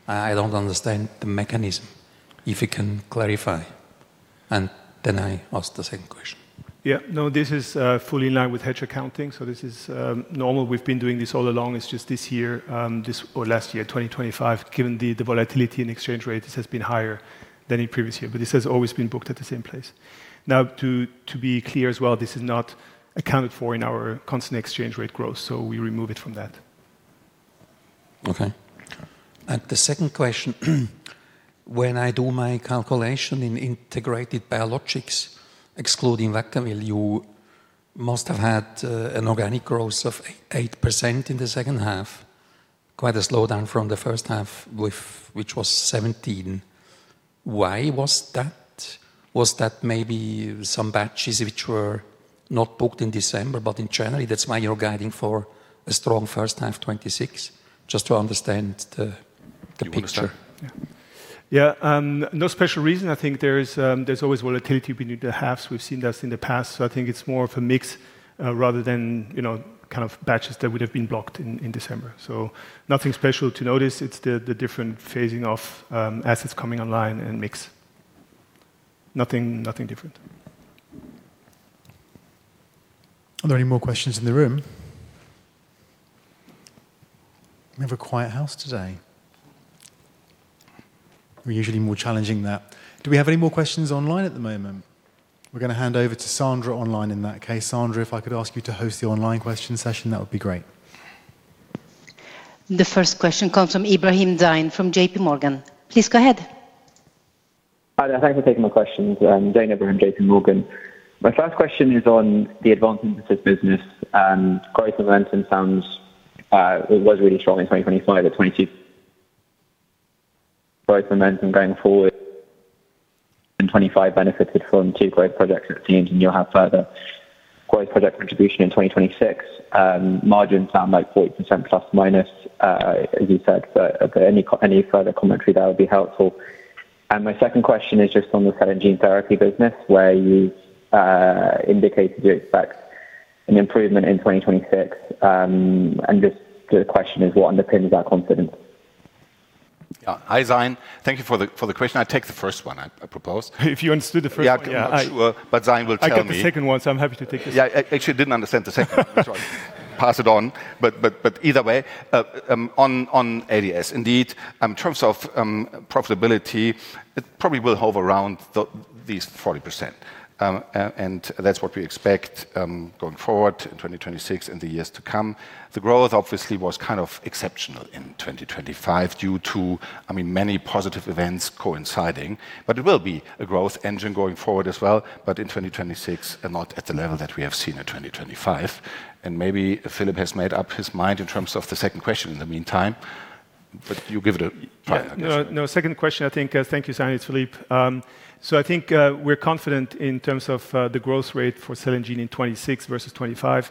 E: I, I don't understand the mechanism, if you can clarify. And then I ask the second question.
C: Yeah. No, this is fully in line with hedge accounting, so this is normal. We've been doing this all along. It's just this year, this or last year, 2025, given the volatility in exchange rates, this has been higher than in previous year. But this has always been booked at the same place. Now, to be clear as well, this is not accounted for in our constant exchange rate growth, so we remove it from that.
E: Okay. And the second question, when I do my calculation in Integrated Biologics, excluding Vacaville, you must have had an organic growth of 8% in the second half. Quite a slowdown from the first half, which was 17. Why was that? Was that maybe some batches which were not booked in December, but in January, that's why you're guiding for a strong first half 2026? Just to understand the picture.
C: Yeah. Yeah, no special reason. I think there is, there's always volatility between the halves. We've seen this in the past. So I think it's more of a mix, rather than, you know, kind of batches that would have been blocked in December. So nothing special to notice. It's the different phasing of assets coming online and mix. Nothing, nothing different.
D: Are there any more questions in the room? We have a quiet house today. We're usually more challenging than that. Do we have any more questions online at the moment? We're gonna hand over to Sandra online in that case. Sandra, if I could ask you to host the online question session, that would be great.
F: The first question comes from Ebrahim Zain from JPMorgan. Please go ahead.
G: Hi there. Thank you for taking my questions. Zain Ebrahim, JPMorgan. My first question is on the advanced business, and growth momentum sounds, it was really strong in 2025 at 20... Growth momentum going forward in 2025 benefited from two growth projects at the end, and you'll have further growth project contribution in 2026. Margins sound like 40% plus, minus, as you said. So, okay, any further commentary, that would be helpful. And my second question is just on the cell and gene therapy business, where you indicated you expect an improvement in 2026. And just the question is: What underpins that confidence?
B: Hi, Zain. Thank you for the question. I take the first one, I propose.
C: If you understood the first one, yeah.
B: I'm not sure, but Zain will tell me.
C: I get the second one, so I'm happy to take the second.
B: Yeah, I actually didn't understand the second one. So pass it on. But either way, on ADS, indeed, in terms of profitability, it probably will hover around these 40%. And that's what we expect going forward in 2026 and the years to come. The growth obviously was kind of exceptional in 2025 due to, I mean, many positive events coinciding, but it will be a growth engine going forward as well, but in 2026 and not at the level that we have seen in 2025. And maybe Philippe has made up his mind in terms of the second question in the meantime, but you give it a try, I guess.
C: Yeah. No, no, second question, I think. Thank you, Zain. It's Philippe. So I think, we're confident in terms of the growth rate for cell and gene in 2026 versus 2025.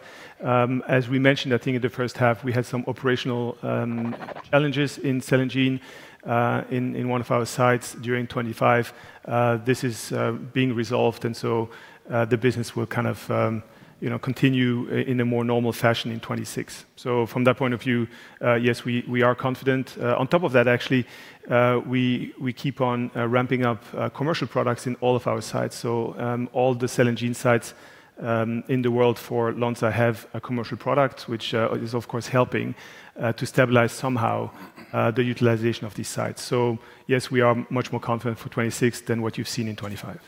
C: As we mentioned, I think in the first half, we had some operational challenges in cell and gene in one of our sites during 2025. This is being resolved, and so the business will kind of, you know, continue in a more normal fashion in 2026. So from that point of view, yes, we are confident. On top of that, actually, we keep on ramping up commercial products in all of our sites. So, all the cell and gene sites in the world for Lonza have a commercial product, which is of course helping to stabilize somehow the utilization of these sites. So yes, we are much more confident for 2026 than what you've seen in 2025.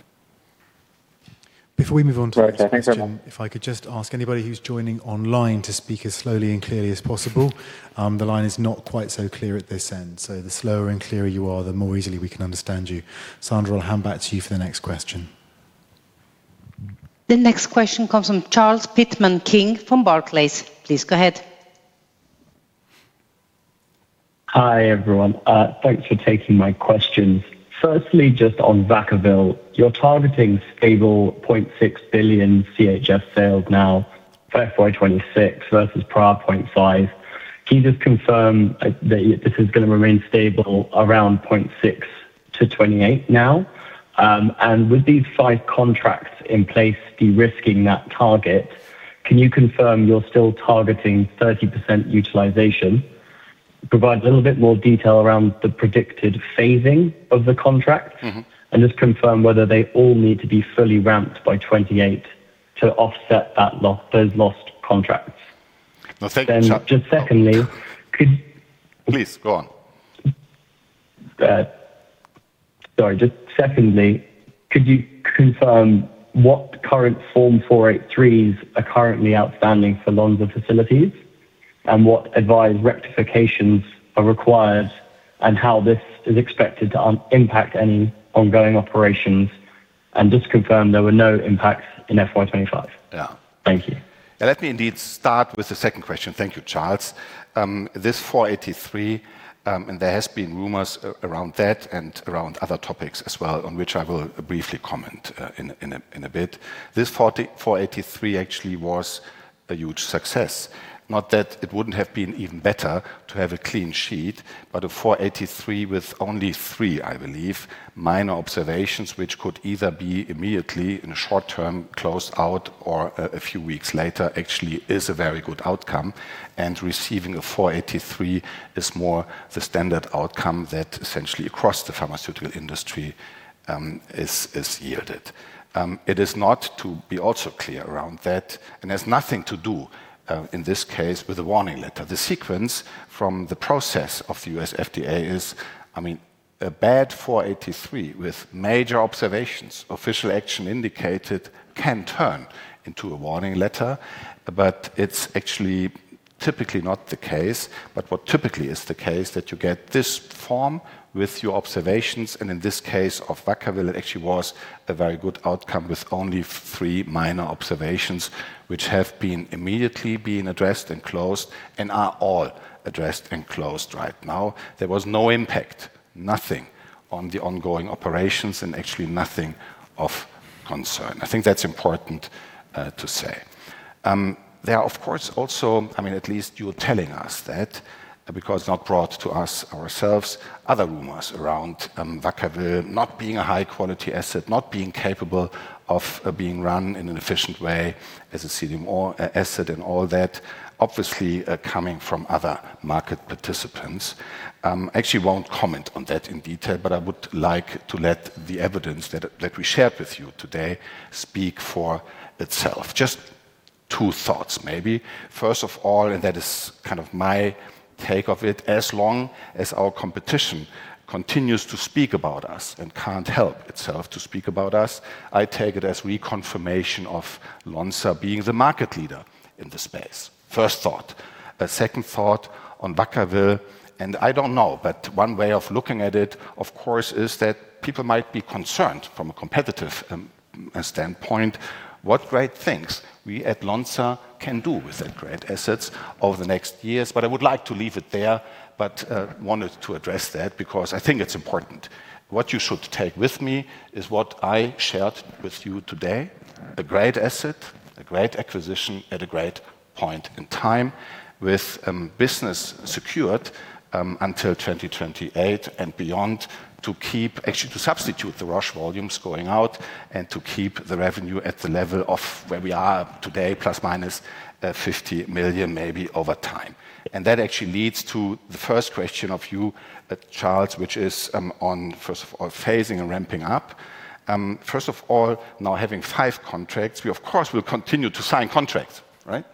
D: Before we move on to the next question-
G: Great. Thanks, everyone.
D: If I could just ask anybody who's joining online to speak as slowly and clearly as possible. The line is not quite so clear at this end, so the slower and clearer you are, the more easily we can understand you. Sandra, I'll hand back to you for the next question.
F: The next question comes from Charles Pitman-King from Barclays. Please go ahead.
H: Hi, everyone. Thanks for taking my questions. Firstly, just on Vacaville, you're targeting stable 0.6 billion CHF sales now for FY 2026 versus prior 0.5. Can you just confirm that this is gonna remain stable around 0.6 to 2028 now? And with these 5 contracts in place, de-risking that target, can you confirm you're still targeting 30% utilization? Provide a little bit more detail around the predicted phasing of the contract-
B: Mm-hmm.
H: Just confirm whether they all need to be fully ramped by 2028 to offset that loss, those lost contracts.
B: Now second-
H: Then, just secondly, could-
B: Please, go on.
H: Sorry. Just secondly, could you confirm what current Form 483s are currently outstanding for Lonza facilities? And what advised rectifications are required, and how this is expected to impact any ongoing operations? And just confirm there were no impacts in FY 2025.
B: Yeah.
H: Thank you.
B: Let me indeed start with the second question. Thank you, Charles. This 483, and there has been rumors around that and around other topics as well, on which I will briefly comment, in a bit. This 483 actually was a huge success. Not that it wouldn't have been even better to have a clean sheet, but a 483 with only three, I believe, minor observations, which could either be immediately, in a short term, closed out or, a few weeks later, actually is a very good outcome. And receiving a 483 is more the standard outcome that essentially across the pharmaceutical industry, is yielded. It is not to be also clear around that, and has nothing to do, in this case, with a warning letter. The sequence from the process of the U.S. FDA is. A bad Form 483 with major observations, official action indicated, can turn into a warning letter, but it's actually typically not the case. But what typically is the case, that you get this form with your observations, and in this case of Vacaville, it actually was a very good outcome with only three minor observations, which have been immediately being addressed and closed, and are all addressed and closed right now. There was no impact, nothing on the ongoing operations, and actually nothing of concern. I think that's important to say. There are of course, also, I mean, at least you're telling us that because not brought to us ourselves, other rumors around, Vacaville not being a high quality asset, not being capable of, being run in an efficient way as a CDMO asset and all that, obviously, coming from other market participants. I actually won't comment on that in detail, but I would like to let the evidence that, that we shared with you today speak for itself. Just two thoughts, maybe. First of all, and that is kind of my take of it, as long as our competition continues to speak about us and can't help itself to speak about us, I take it as reconfirmation of Lonza being the market leader in the space. First thought. Second thought on Vacaville, and I don't know, but one way of looking at it, of course, is that people might be concerned from a competitive standpoint, what great things we at Lonza can do with that great assets over the next years. But I would like to leave it there, but wanted to address that because I think it's important. What you should take with me is what I shared with you today: a great asset, a great acquisition at a great point in time, with business secured until 2028 and beyond, to keep... Actually, to substitute the Roche volumes going out and to keep the revenue at the level of where we are today, plus minus 50 million, maybe over time. That actually leads to the first question of you, Charles, which is on first of all, phasing and ramping up. First of all, now having five contracts, we of course will continue to sign contracts, right?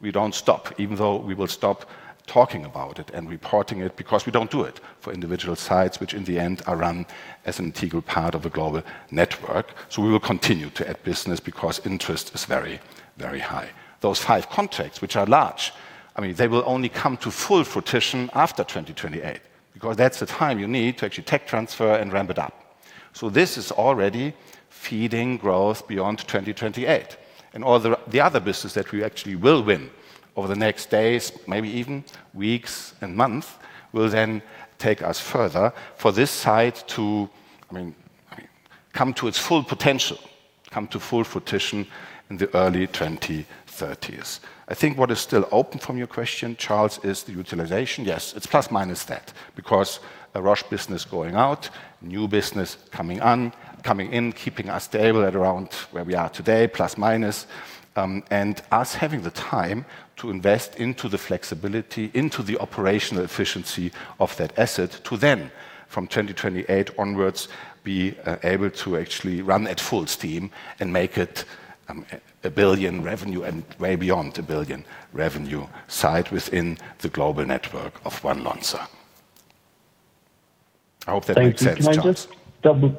B: We don't stop, even though we will stop talking about it and reporting it, because we don't do it for individual sites, which in the end are run as an integral part of the global network. So we will continue to add business because interest is very, very high. Those five contracts, which are large, I mean, they will only come to full fruition after 2028, because that's the time you need to actually tech transfer and ramp it up. So this is already feeding growth beyond 2028. All the other business that we actually will win over the next days, maybe even weeks and months, will then take us further for this site to, I mean, come to its full potential, come to full fruition in the early 2030s. I think what is still open from your question, Charles, is the utilization. Yes, it's ± that, because a Roche business going out, new business coming on, coming in, keeping us stable at around where we are today, ±. And us having the time to invest into the flexibility, into the operational efficiency of that asset, to then, from 2028 onwards, be able to actually run at full steam and make it a 1 billion revenue and way beyond a 1 billion revenue site within the global network of One Lonza. I hope that makes sense, Charles.
H: Thank you.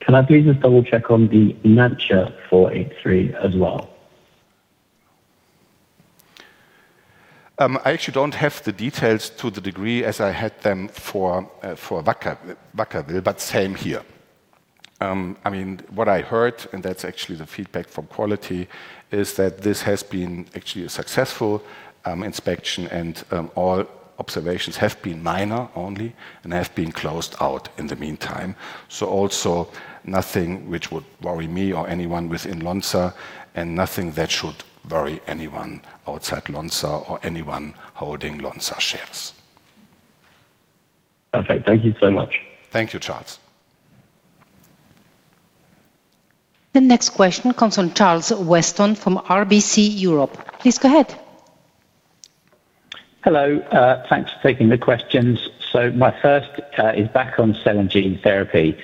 H: Can I please just double-check on the Nansha 483 as well?
B: I actually don't have the details to the degree as I had them for Vacaville, but same here. I mean, what I heard, and that's actually the feedback from quality, is that this has been actually a successful inspection, and all observations have been minor only and have been closed out in the meantime. So also nothing which would worry me or anyone within Lonza and nothing that should worry anyone outside Lonza or anyone holding Lonza shares.
H: Perfect. Thank you so much.
B: Thank you, Charles.
F: The next question comes from Charles Weston from RBC Europe. Please go ahead.
I: Hello, thanks for taking the questions. So my first is back on cell and gene therapy.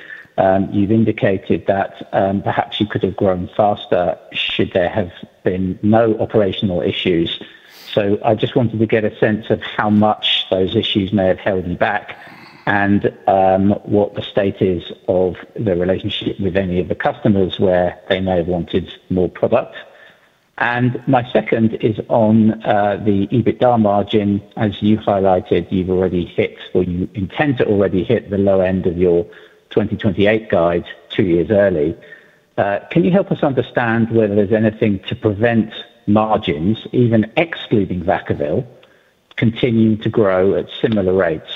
I: You've indicated that perhaps you could have grown faster, should there have been no operational issues. So I just wanted to get a sense of how much those issues may have held you back and what the state is of the relationship with any of the customers where they may have wanted more product. And my second is on the EBITDA margin. As you highlighted, you've already hit, or you intend to already hit the low end of your 2028 guide 2 years early. Can you help us understand whether there's anything to prevent margins, even excluding Vacaville, continuing to grow at similar rates,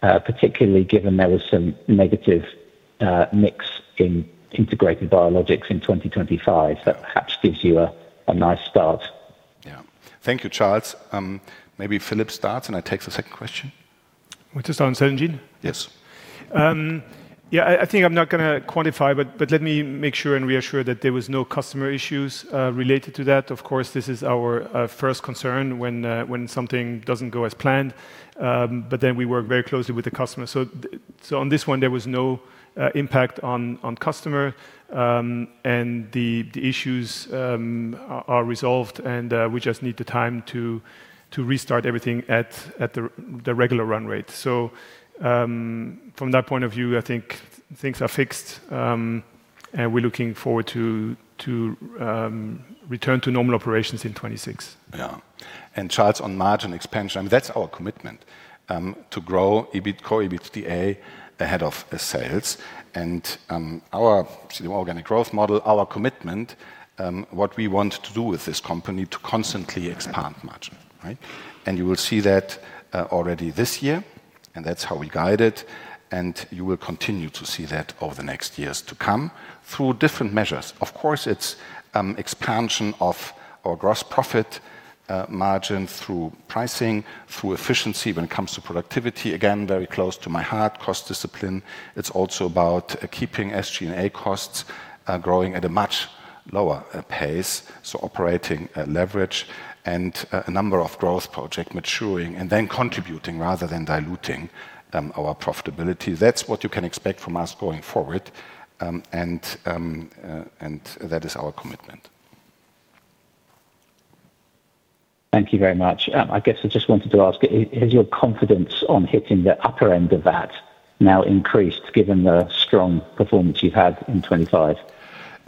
I: particularly given there was some negative mix in Integrated Biologics in 2025 that perhaps gives you a nice start?
B: Yeah. Thank you, Charles. Maybe Philippe starts, and I take the second question.
C: Want to start on cell and gene?
B: Yes.
C: Yeah, I think I'm not gonna quantify, but let me make sure and reassure that there was no customer issues related to that. Of course, this is our first concern when something doesn't go as planned. But then we work very closely with the customer. So on this one, there was no impact on customer and the issues are resolved, and we just need the time to restart everything at the regular run rate. So from that point of view, I think things are fixed. And we're looking forward to return to normal operations in 2026.
B: Yeah. And Charles, on margin expansion, that's our commitment to grow EBIT, core EBITDA ahead of sales. And our CDMO organic growth model, our commitment, what we want to do with this company to constantly expand margin, right? And you will see that already this year, and that's how we guide it, and you will continue to see that over the next years to come through different measures. Of course, it's expansion of our gross profit margin through pricing, through efficiency when it comes to productivity. Again, very close to my heart, cost discipline. It's also about keeping SG&A costs growing at a much lower pace, so operating at leverage and a number of growth project maturing and then contributing rather than diluting our profitability. That's what you can expect from us going forward, and that is our commitment.
I: Thank you very much. I guess I just wanted to ask, is your confidence on hitting the upper end of that now increased, given the strong performance you've had in 2025?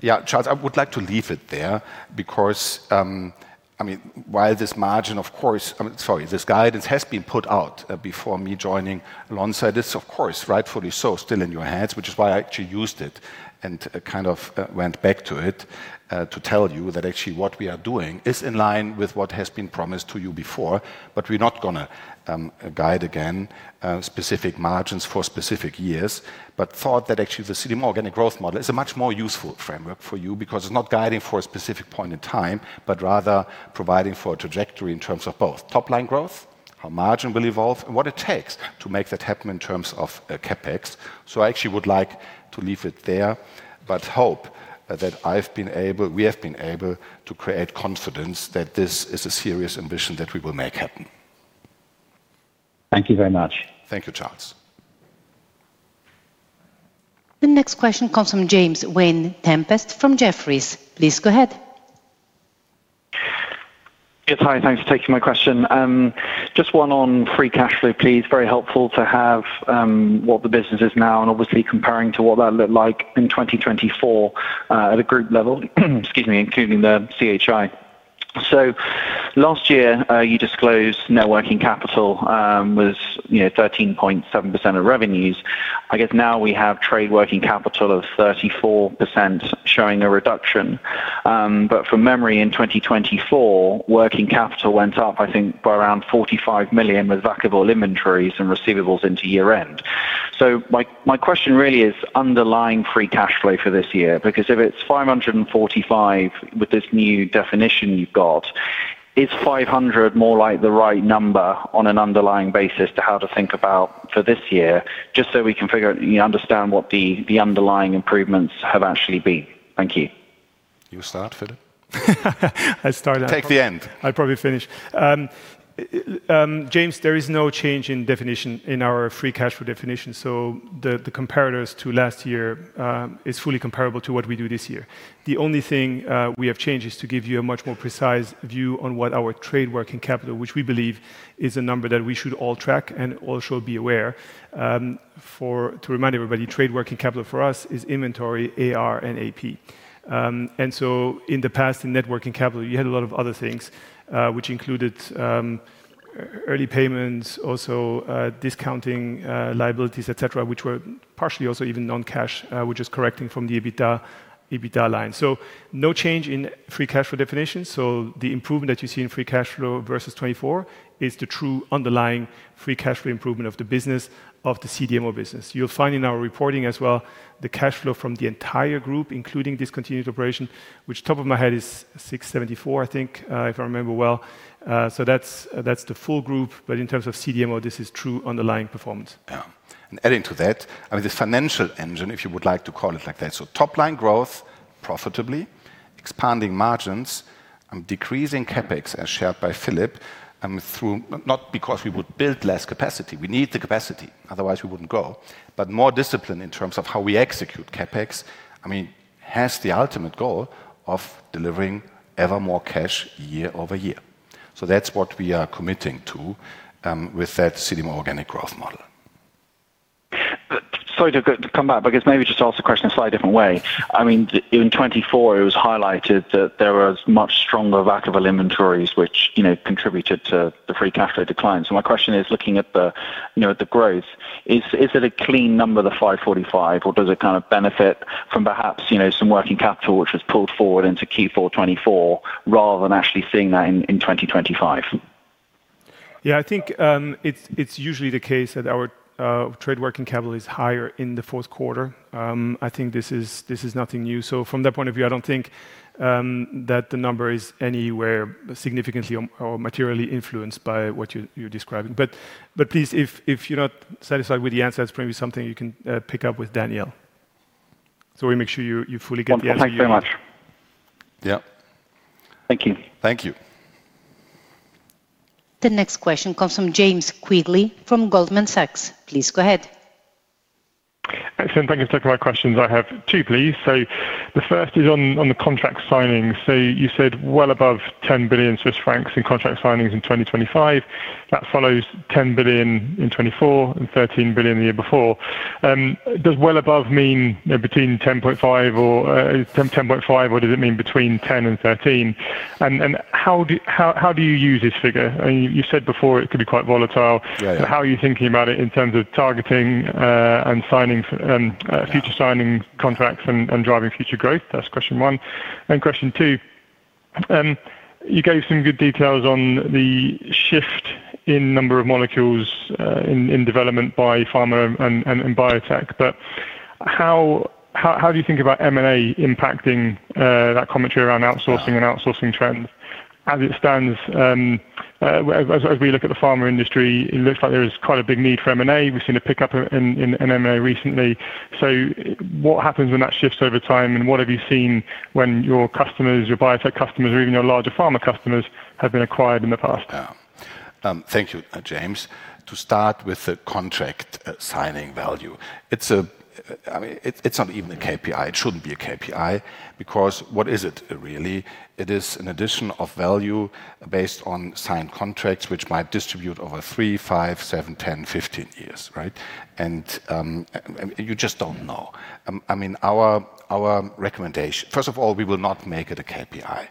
B: Yeah, Charles, I would like to leave it there because, I mean, while this margin, of course, I mean, sorry, this guidance has been put out before me joining Lonza. It's of course, rightfully so, still in your hands, which is why I actually used it and kind of went back to it to tell you that actually what we are doing is in line with what has been promised to you before. But we're not gonna guide again specific margins for specific years, but thought that actually the CDMO organic growth model is a much more useful framework for you because it's not guiding for a specific point in time, but rather providing for a trajectory in terms of both top line growth, how margin will evolve, and what it takes to make that happen in terms of CapEx. So I actually would like to leave it there, but hope that we have been able to create confidence that this is a serious ambition that we will make happen.
I: Thank you very much.
B: Thank you, Charles.
F: The next question comes from James Vane-Tempest from Jefferies. Please go ahead.
J: Yes, hi. Thanks for taking my question. Just one on free cash flow, please. Very helpful to have what the business is now and obviously comparing to what that looked like in 2024, at a group level, excuse me, including the CHI. So last year, you disclosed net working capital was, you know, 13.7% of revenues. I guess now we have trade working capital of 34%, showing a reduction. But from memory in 2024, working capital went up, I think, by around 45 million, with Vacaville inventories and receivables into year-end. So my, my question really is underlying free cash flow for this year, because if it's 545 with this new definition you've got, is 500 more like the right number on an underlying basis to how to think about for this year? Just so we can figure out, you know, understand what the underlying improvements have actually been. Thank you.
B: You start, Philippe?
C: I start-
B: Take the end.
C: I'll probably finish. James, there is no change in definition, in our free cash flow definition, so the comparators to last year is fully comparable to what we do this year. The only thing we have changed is to give you a much more precise view on what our trade working capital, which we believe is a number that we should all track and also be aware. To remind everybody, trade working capital for us is inventory, AR, and AP. And so in the past, in net working capital, you had a lot of other things, which included early payments, also discounting, liabilities, et cetera, which were partially also even non-cash, which is correcting from the EBITDA line. So no change in free cash flow definition. The improvement that you see in free cash flow versus 2024 is the true underlying free cash flow improvement of the business, of the CDMO business. You'll find in our reporting as well, the cash flow from the entire group, including discontinued operation, which top of my head is 674, I think, if I remember well. So that's, that's the full group. But in terms of CDMO, this is true underlying performance.
B: Yeah. Adding to that, I mean, the financial engine, if you would like to call it like that. So top line growth, profitably, expanding margins, decreasing CapEx, as shared by Philippe, through... Not because we would build less capacity. We need the capacity, otherwise we wouldn't grow, but more discipline in terms of how we execute CapEx, I mean, has the ultimate goal of delivering ever more cash year over year. So that's what we are committing to, with that CDMO organic growth model.
J: Sorry to come back, but I guess maybe just ask the question a slightly different way. I mean, in 2024, it was highlighted that there was much stronger Vacaville inventories, which, you know, contributed to the free cash flow decline. So my question is, looking at the, you know, at the growth, is it a clean number, the 545, or does it kind of benefit from perhaps, you know, some working capital which was pulled forward into Q4 2024, rather than actually seeing that in 2025?
C: Yeah, I think it's usually the case that our trade working capital is higher in the fourth quarter. I think this is nothing new. So from that point of view, I don't think that the number is anywhere significantly or materially influenced by what you're describing. But please, if you're not satisfied with the answer, that's probably something you can pick up with Danielle. So we make sure you fully get the answer you-
J: Wonderful. Thanks very much.
B: Yeah.
J: Thank you.
B: Thank you.
F: The next question comes from James Quigley, from Goldman Sachs. Please go ahead.
K: Excellent. Thank you for taking my questions. I have two, please. So the first is on the contract signings. So you said well above 10 billion Swiss francs in contract signings in 2025... That follows 10 billion in 2024 and 13 billion the year before. Does well above mean, you know, between 10.5 or 10, 10.5, or does it mean between 10 and 13? And how do you use this figure? I mean, you've said before it could be quite volatile.
B: Yeah, yeah.
K: How are you thinking about it in terms of targeting, and signing for? Future signing contracts and driving future growth? That's question one. And question two, you gave some good details on the shift in number of molecules in development by pharma and biotech. But how do you think about M&A impacting that commentary around outsourcing? -and outsourcing trends? As it stands, as we look at the pharma industry, it looks like there is quite a big need for M&A. We've seen a pickup in M&A recently. So what happens when that shifts over time, and what have you seen when your customers, your biotech customers, or even your larger pharma customers, have been acquired in the past?
B: Yeah. Thank you, James. To start with the contract signing value, it's a, I mean, it's not even a KPI. It shouldn't be a KPI because what is it, really? It is an addition of value based on signed contracts, which might distribute over 3, 5, 7, 10, 15 years, right? And you just don't know. I mean, our recommendation... First of all, we will not make it a KPI.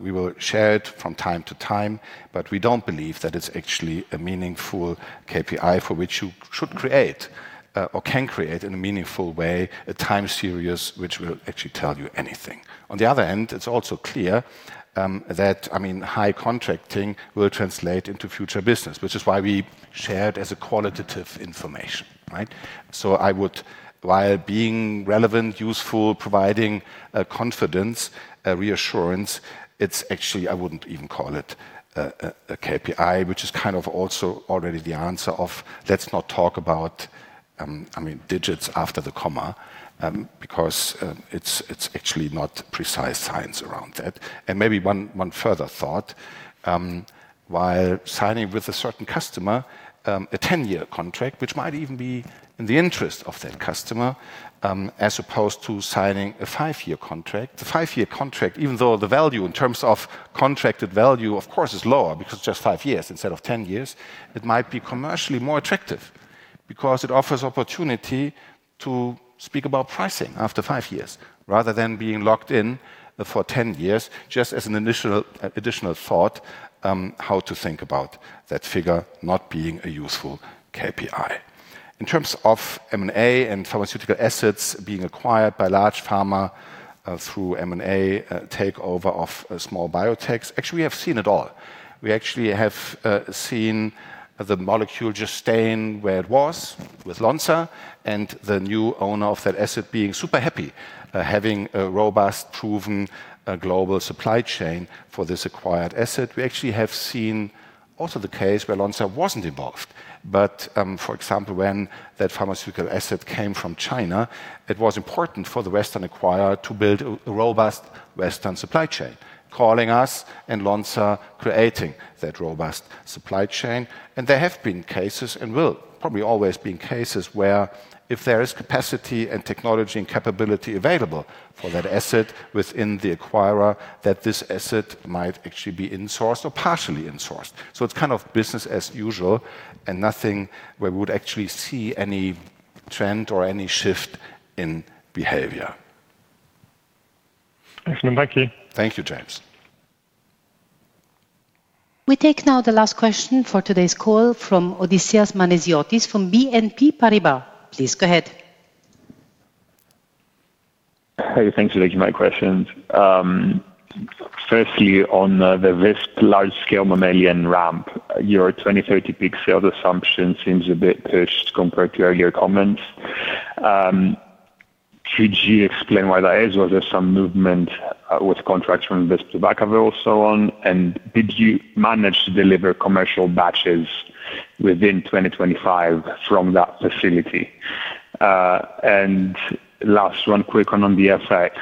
B: We will share it from time to time, but we don't believe that it's actually a meaningful KPI for which you should create, or can create in a meaningful way, a time series which will actually tell you anything. On the other hand, it's also clear, that, I mean, high contracting will translate into future business, which is why we share it as a qualitative information, right? So I would, while being relevant, useful, providing, confidence, reassurance, it's actually I wouldn't even call it a KPI, which is kind of also already the answer of let's not talk about, I mean, digits after the comma, because, it's actually not precise science around that. And maybe one further thought, while signing with a certain customer, a 10-year contract, which might even be in the interest of that customer, as opposed to signing a 5-year contract. The 5-year contract, even though the value in terms of contracted value, of course, is lower because it's just 5 years instead of 10 years, it might be commercially more attractive because it offers opportunity to speak about pricing after 5 years rather than being locked in for 10 years, just as an initial, additional thought, how to think about that figure not being a useful KPI. In terms of M&A and pharmaceutical assets being acquired by large pharma, through M&A, takeover of, small biotechs, actually, we have seen it all. We actually have, seen the molecule just staying where it was with Lonza and the new owner of that asset being super happy, having a robust, proven, global supply chain for this acquired asset. We actually have seen also the case where Lonza wasn't involved. But, for example, when that pharmaceutical asset came from China, it was important for the Western acquirer to build a robust Western supply chain, calling us and Lonza creating that robust supply chain. And there have been cases and will probably always be cases where if there is capacity and technology and capability available for that asset within the acquirer, that this asset might actually be insourced or partially insourced. So it's kind of business as usual and nothing where we would actually see any trend or any shift in behavior.
K: Excellent. Thank you.
B: Thank you, James.
F: We take now the last question for today's call from Odysseas Manesiotis, from BNP Paribas. Please go ahead.
L: Hey, thanks for taking my questions. Firstly, on the this large-scale mammalian ramp, your 2030 peak sales assumption seems a bit pushed compared to earlier comments. Could you explain why that is, or there's some movement with contracts from Visp, Vacaville or so on? And did you manage to deliver commercial batches within 2025 from that facility? And last one, quick one on the FX.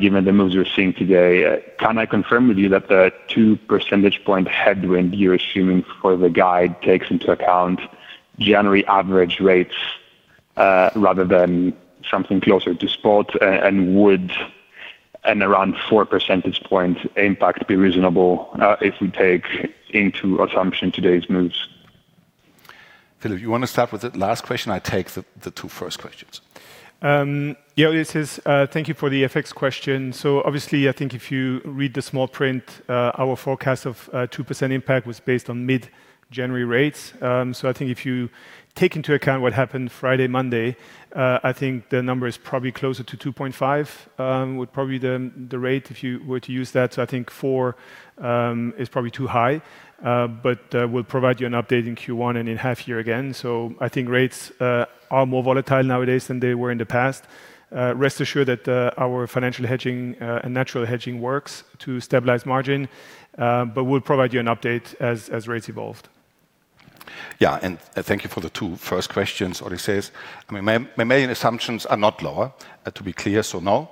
L: Given the moves we're seeing today, can I confirm with you that the 2 percentage point headwind you're assuming for the guide takes into account January average rates, rather than something closer to spot, and would an around 4 percentage points impact be reasonable, if we take into assumption today's moves?
B: Philippe, you want to start with the last question? I take the two first questions.
C: Yeah, Odysseas, thank you for the FX question. So obviously, I think if you read the small print, our forecast of 2% impact was based on mid-January rates. So I think if you take into account what happened Friday, Monday, I think the number is probably closer to 2.5, with probably the rate, if you were to use that. So I think 4 is probably too high, but we'll provide you an update in Q1 and in half year again. So I think rates are more volatile nowadays than they were in the past. Rest assured that our financial hedging and natural hedging works to stabilize margin, but we'll provide you an update as rates evolve.
B: Yeah, and thank you for the 2 first questions, Odysseas. I mean, my, my main assumptions are not lower, to be clear, so no,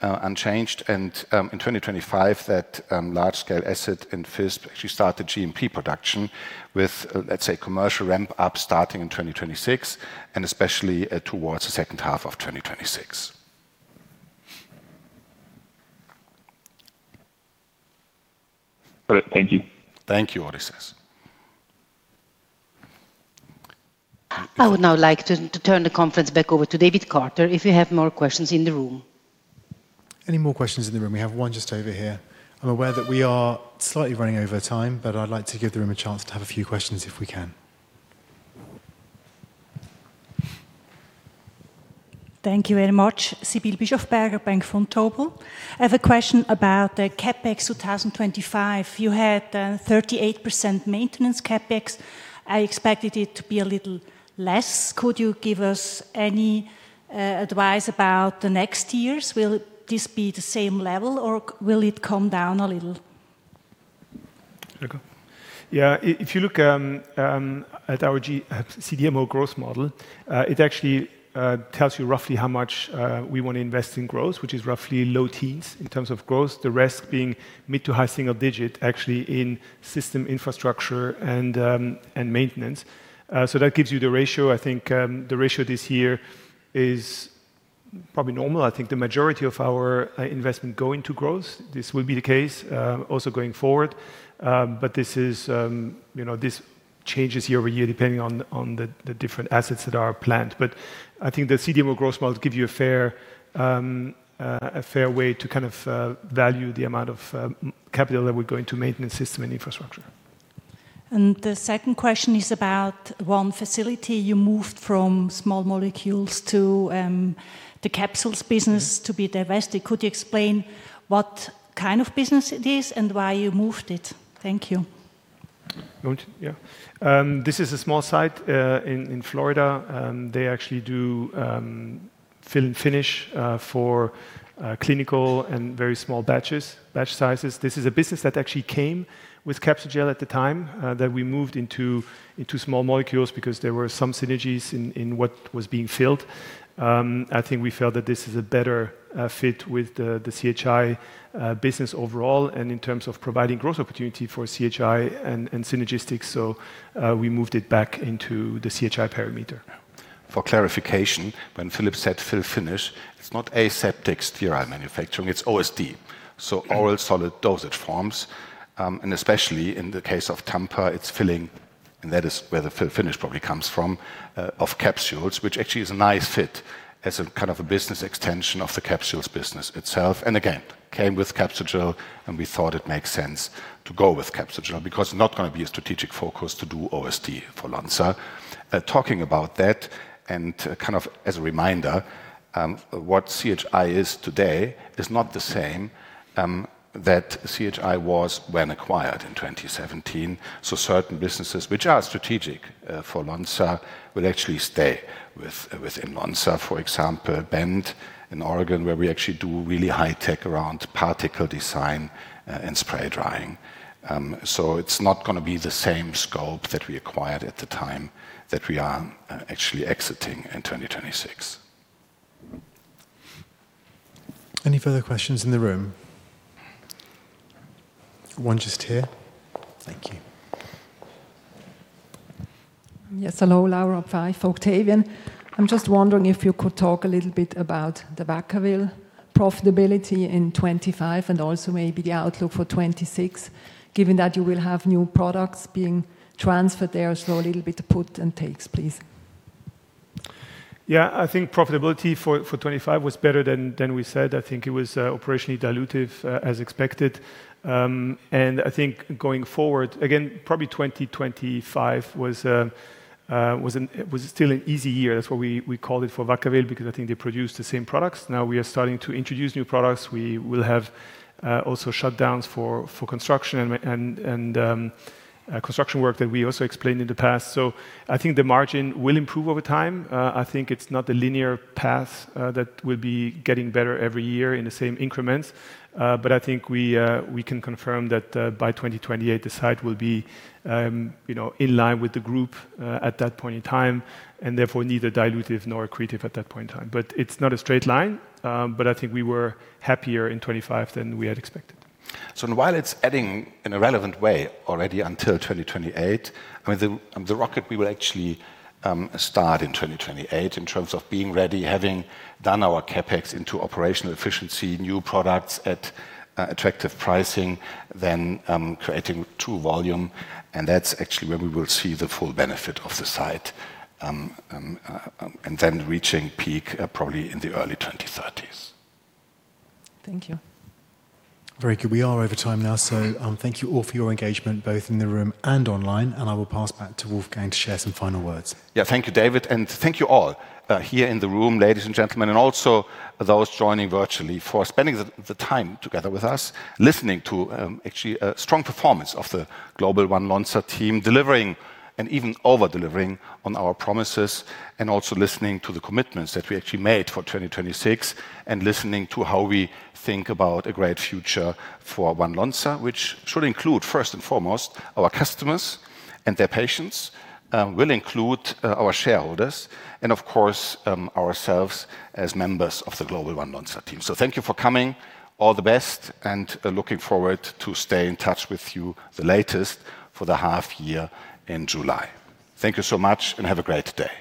B: unchanged. In 2025, that large-scale asset in Visp actually started GMP production with, let's say, commercial ramp-up starting in 2026 and especially towards the second half of 2026....
L: Thank you.
B: Thank you, Odysseas.
F: I would now like to turn the conference back over to David Carter if you have more questions in the room.
D: Any more questions in the room? We have one just over here. I'm aware that we are slightly running over time, but I'd like to give the room a chance to have a few questions if we can.
M: Thank you very much. Sibylle Bischofberger, Bank Vontobel. I have a question about the CapEx 2025. You had 38% maintenance CapEx. I expected it to be a little less. Could you give us any advice about the next years? Will this be the same level, or will it come down a little?
C: Okay. Yeah, if you look at our CDMO growth model, it actually tells you roughly how much we want to invest in growth, which is roughly low teens in terms of growth, the rest being mid to high single digit actually in system infrastructure and maintenance. So that gives you the ratio. I think the ratio this year is probably normal. I think the majority of our investment go into growth. This will be the case also going forward. But this is, you know, this changes year-over-year, depending on the different assets that are planned. But I think the CDMO growth model will give you a fair way to kind of value the amount of capital that will go into maintenance, system, and infrastructure.
M: The second question is about one facility you moved from small molecules to the capsules business to be divested. Could you explain what kind of business it is and why you moved it? Thank you.
C: Want to? Yeah. This is a small site in Florida. They actually do fill and finish for clinical and very small batches, batch sizes. This is a business that actually came with Capsugel at the time that we moved into small molecules because there were some synergies in what was being filled. I think we felt that this is a better fit with the CHI business overall and in terms of providing growth opportunity for CHI and synergies. So, we moved it back into the CHI perimeter.
B: For clarification, when Philippe said fill finish, it's not aseptic dry manufacturing, it's OSD. So oral solid dosage forms, and especially in the case of Tampa, it's filling, and that is where the fill finish probably comes from, of capsules, which actually is a nice fit as a kind of a business extension of the capsules business itself. And again, came with Capsugel, and we thought it makes sense to go with Capsugel because not gonna be a strategic focus to do OSD for Lonza. Talking about that, and kind of as a reminder, what CHI is today is not the same, that CHI was when acquired in 2017. So certain businesses, which are strategic, for Lonza, will actually stay within Lonza. For example, Bend in Oregon, where we actually do really high tech around particle design, and spray drying. It's not gonna be the same scope that we acquired at the time that we are actually exiting in 2026.
D: Any further questions in the room? One just here. Thank you.
N: Yes, hello, Laura Pfeiffer, Octavian. I'm just wondering if you could talk a little bit about the Vacaville profitability in 2025 and also maybe the outlook for 2026, given that you will have new products being transferred there. So a little bit of puts and takes, please.
C: Yeah. I think profitability for 25 was better than we said. I think it was operationally dilutive, as expected. And I think going forward, again, probably 2025 was still an easy year. That's why we called it for Vacaville because I think they produced the same products. Now we are starting to introduce new products. We will have also shutdowns for construction and construction work that we also explained in the past. So I think the margin will improve over time. I think it's not a linear path that will be getting better every year in the same increments. But I think we can confirm that by 2028, the site will be, you know, in line with the group at that point in time, and therefore neither dilutive nor accretive at that point in time. But it's not a straight line, but I think we were happier in 2025 than we had expected.
B: So while it's adding in a relevant way already until 2028, I mean, the rocket, we will actually start in 2028 in terms of being ready, having done our CapEx into operational efficiency, new products at attractive pricing, then creating true volume, and that's actually where we will see the full benefit of the site, and then reaching peak probably in the early 2030s.
N: Thank you.
D: Very good. We are over time now. So, thank you all for your engagement, both in the room and online, and I will pass back to Wolfgang to share some final words.
B: Yeah. Thank you, David, and thank you all here in the room, ladies and gentlemen, and also those joining virtually, for spending the time together with us, listening to actually a strong performance of the global One Lonza team, delivering and even over-delivering on our promises, and also listening to the commitments that we actually made for 2026, and listening to how we think about a great future for One Lonza, which should include, first and foremost, our customers and their patients, will include our shareholders, and of course ourselves as members of the global One Lonza team. So thank you for coming. All the best, and looking forward to stay in touch with you the latest for the half year in July. Thank you so much, and have a great day.